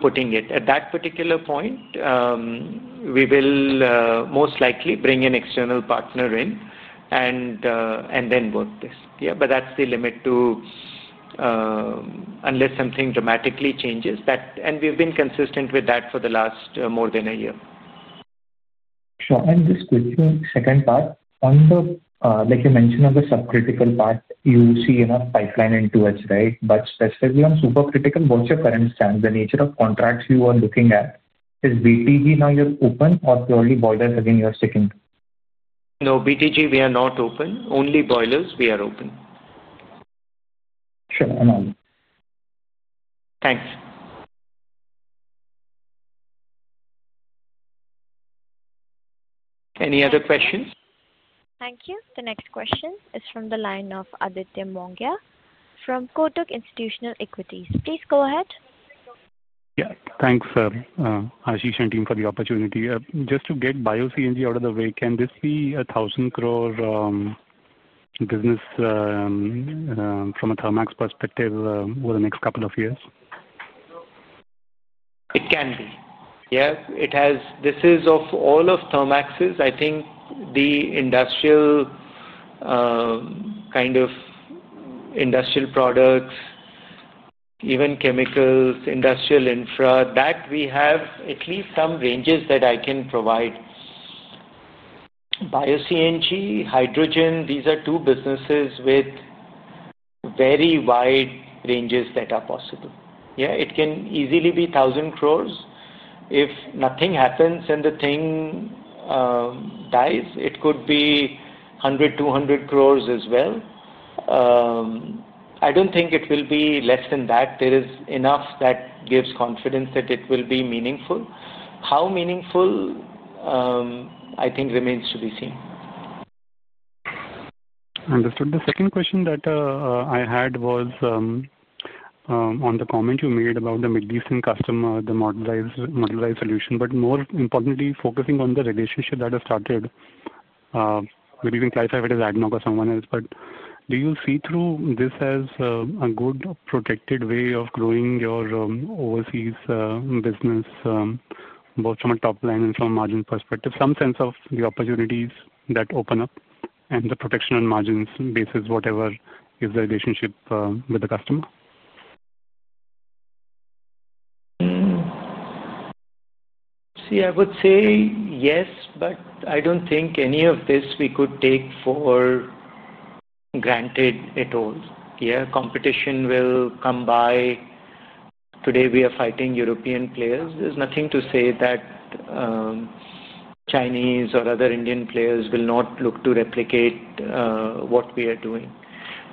putting in. At that particular point, we will most likely bring an external partner in and then work this. Yeah. That is the limit to unless something dramatically changes. We have been consistent with that for the last more than a year. Sure. And just quickly, second part, on the, like you mentioned, on the subcritical part, you see enough pipeline into it, right? But specifically on supercritical, what's your current stance? The nature of contracts you are looking at, is BTG now you're open or purely boilers again you're sticking to? No, BTG we are not open. Only boilers we are open. Sure. Thanks. Any other questions? Thank you. The next question is from the line of Aditya Mongai from Kotak Institutional Equities. Please go ahead. Yeah. Thanks, Ashish and team, for the opportunity. Just to get bio-CNG out of the way, can this be a 1,000 crore business from a Thermax perspective over the next couple of years? It can be. Yeah. This is of all of Thermax's, I think the industrial kind of industrial products, even chemicals, industrial infra, that we have at least some ranges that I can provide. Bio-CNG, hydrogen, these are two businesses with very wide ranges that are possible. Yeah. It can easily be 1,000 crore. If nothing happens and the thing dies, it could be 100-200 crore as well. I do not think it will be less than that. There is enough that gives confidence that it will be meaningful. How meaningful, I think, remains to be seen. Understood. The second question that I had was on the comment you made about the Middle Eastern customer, the modernized solution. More importantly, focusing on the relationship that has started, maybe we can classify it as Adnoc or someone else. Do you see this as a good protected way of growing your overseas business, both from a top-line and from a margin perspective, some sense of the opportunities that open up and the protection on margins basis, whatever is the relationship with the customer? See, I would say yes, but I don't think any of this we could take for granted at all. Yeah. Competition will come by. Today, we are fighting European players. There's nothing to say that Chinese or other Indian players will not look to replicate what we are doing.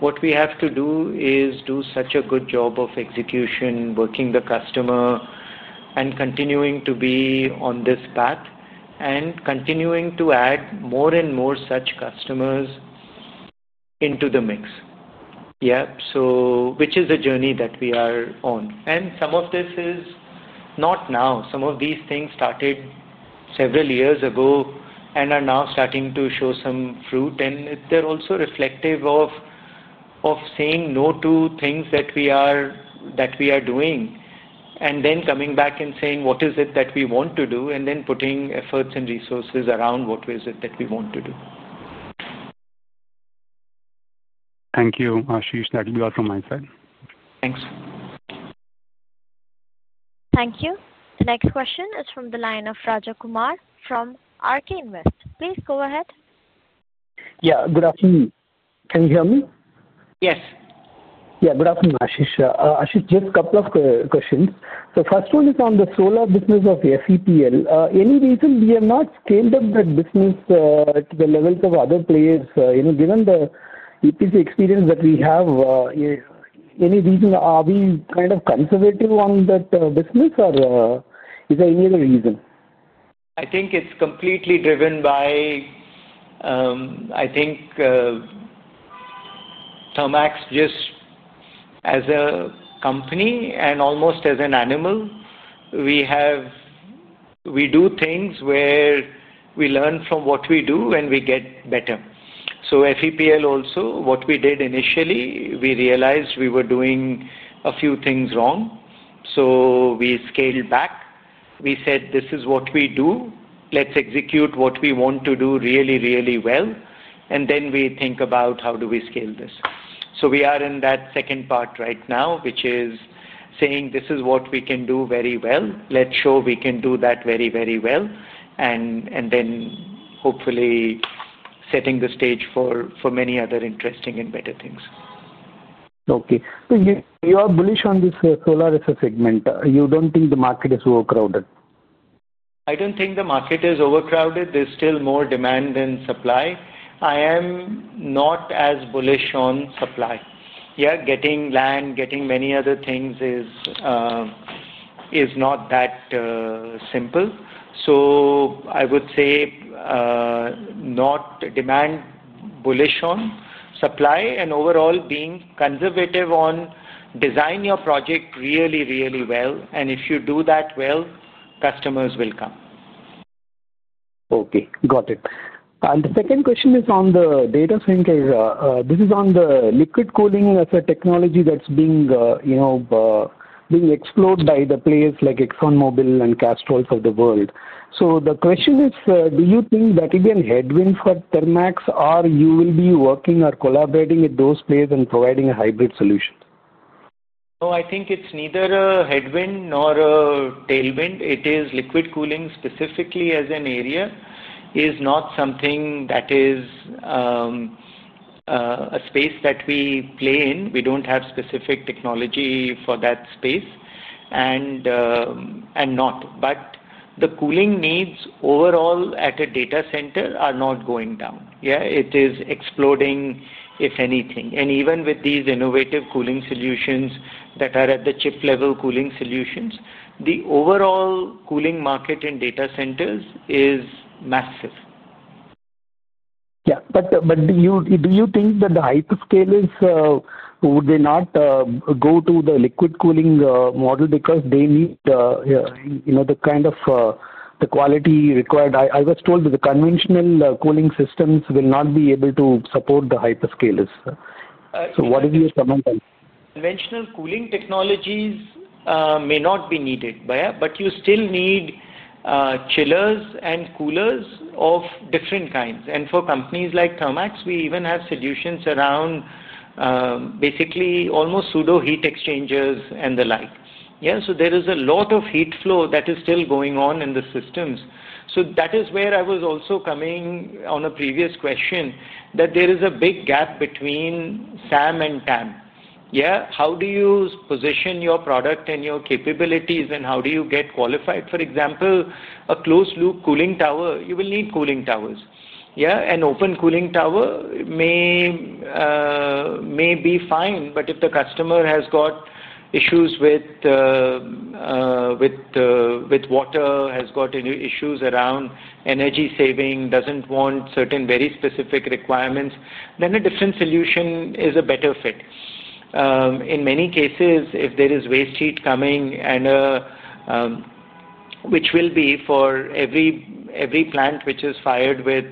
What we have to do is do such a good job of execution, working the customer and continuing to be on this path and continuing to add more and more such customers into the mix. Yeah. Which is a journey that we are on. Some of this is not now. Some of these things started several years ago and are now starting to show some fruit. They are also reflective of saying no to things that we are doing and then coming back and saying, "What is it that we want to do?" and then putting efforts and resources around what is it that we want to do. Thank you, Ashish. That'll be all from my side. Thanks. Thank you. The next question is from the line of Rajakumar from ArcaneWest. Please go ahead. Yeah. Good afternoon. Can you hear me? Yes. Yeah. Good afternoon, Ashish. Ashish, just a couple of questions. First one is on the solar business of FEPL. Any reason we have not scaled up that business to the level of other players? Given the experience that we have, any reason are we kind of conservative on that business, or is there any other reason? I think it's completely driven by, I think, Thermax just as a company and almost as an animal. We do things where we learn from what we do and we get better. FEPL also, what we did initially, we realized we were doing a few things wrong. We scaled back. We said, "This is what we do. Let's execute what we want to do really, really well." We think about how do we scale this. We are in that second part right now, which is saying, "This is what we can do very well. Let's show we can do that very, very well." Hopefully setting the stage for many other interesting and better things. Okay. So you are bullish on this solar as a segment. You don't think the market is overcrowded? I don't think the market is overcrowded. There's still more demand than supply. I am not as bullish on supply. Yeah. Getting land, getting many other things is not that simple. I would say not demand, bullish on supply, and overall being conservative on design your project really, really well. If you do that well, customers will come. Okay. Got it. The second question is on the data center. This is on the liquid cooling as a technology that's being explored by the players like ExxonMobil and Castrol for the world. The question is, do you think that will be a headwind for Thermax, or you will be working or collaborating with those players and providing a hybrid solution? Oh, I think it's neither a headwind nor a tailwind. It is liquid cooling specifically as an area is not something that is a space that we play in. We don't have specific technology for that space and not. The cooling needs overall at a data center are not going down. Yeah. It is exploding, if anything. Even with these innovative cooling solutions that are at the chip-level cooling solutions, the overall cooling market in data centers is massive. Yeah. Do you think that the hyperscalers, would they not go to the liquid cooling model because they need the kind of quality required? I was told that the conventional cooling systems will not be able to support the hyperscalers. What is your comment on? Conventional cooling technologies may not be needed, but you still need chillers and coolers of different kinds. For companies like Thermax, we even have solutions around basically almost pseudo heat exchangers and the like. Yeah. There is a lot of heat flow that is still going on in the systems. That is where I was also coming on a previous question, that there is a big gap between SAM and TAM. Yeah. How do you position your product and your capabilities, and how do you get qualified? For example, a closed-loop cooling tower, you will need cooling towers. Yeah. An open cooling tower may be fine, but if the customer has got issues with water, has got issues around energy saving, does not want certain very specific requirements, then a different solution is a better fit. In many cases, if there is waste heat coming, which will be for every plant which is fired with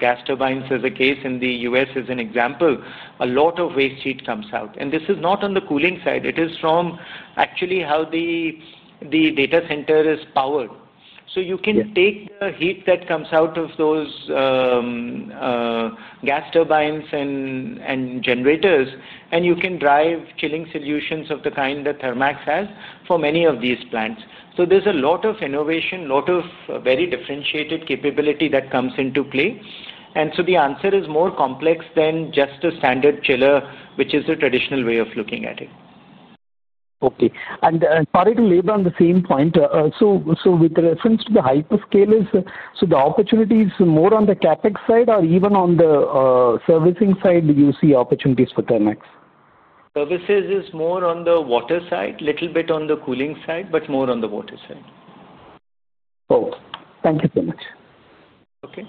gas turbines as a case in the U.S. as an example, a lot of waste heat comes out. This is not on the cooling side. It is from actually how the data center is powered. You can take the heat that comes out of those gas turbines and generators, and you can drive chilling solutions of the kind that Thermax has for many of these plants. There is a lot of innovation, a lot of very differentiated capability that comes into play. The answer is more complex than just a standard chiller, which is a traditional way of looking at it. Okay. Sorry to leave on the same point. With reference to the hyperscalers, is the opportunity more on the CapEx side or even on the servicing side you see opportunities for Thermax? Services is more on the water side, a little bit on the cooling side, but more on the water side. Okay. Thank you so much. Okay.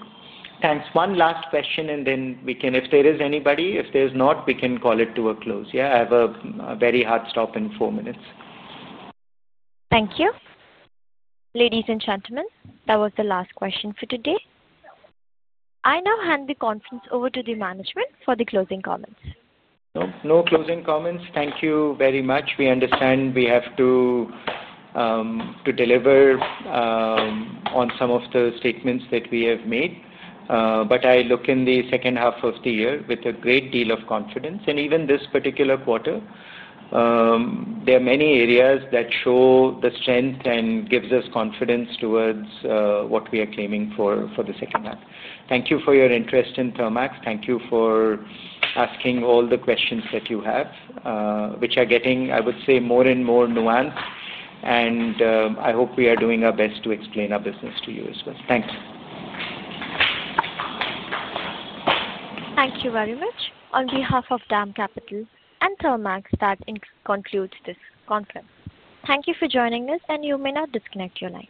Thanks. One last question, and then we can, if there is anybody, if there's not, we can call it to a close. Yeah. I have a very hard stop in four minutes. Thank you. Ladies and gentlemen, that was the last question for today. I now hand the conference over to the management for the closing comments. No closing comments. Thank you very much. We understand we have to deliver on some of the statements that we have made. I look in the second half of the year with a great deal of confidence. Even this particular quarter, there are many areas that show the strength and give us confidence towards what we are claiming for the second half. Thank you for your interest in Thermax. Thank you for asking all the questions that you have, which are getting, I would say, more and more nuanced. I hope we are doing our best to explain our business to you as well. Thanks. Thank you very much. On behalf of Dam Capital and Thermax, that concludes this conference. Thank you for joining us, and you may now disconnect your line.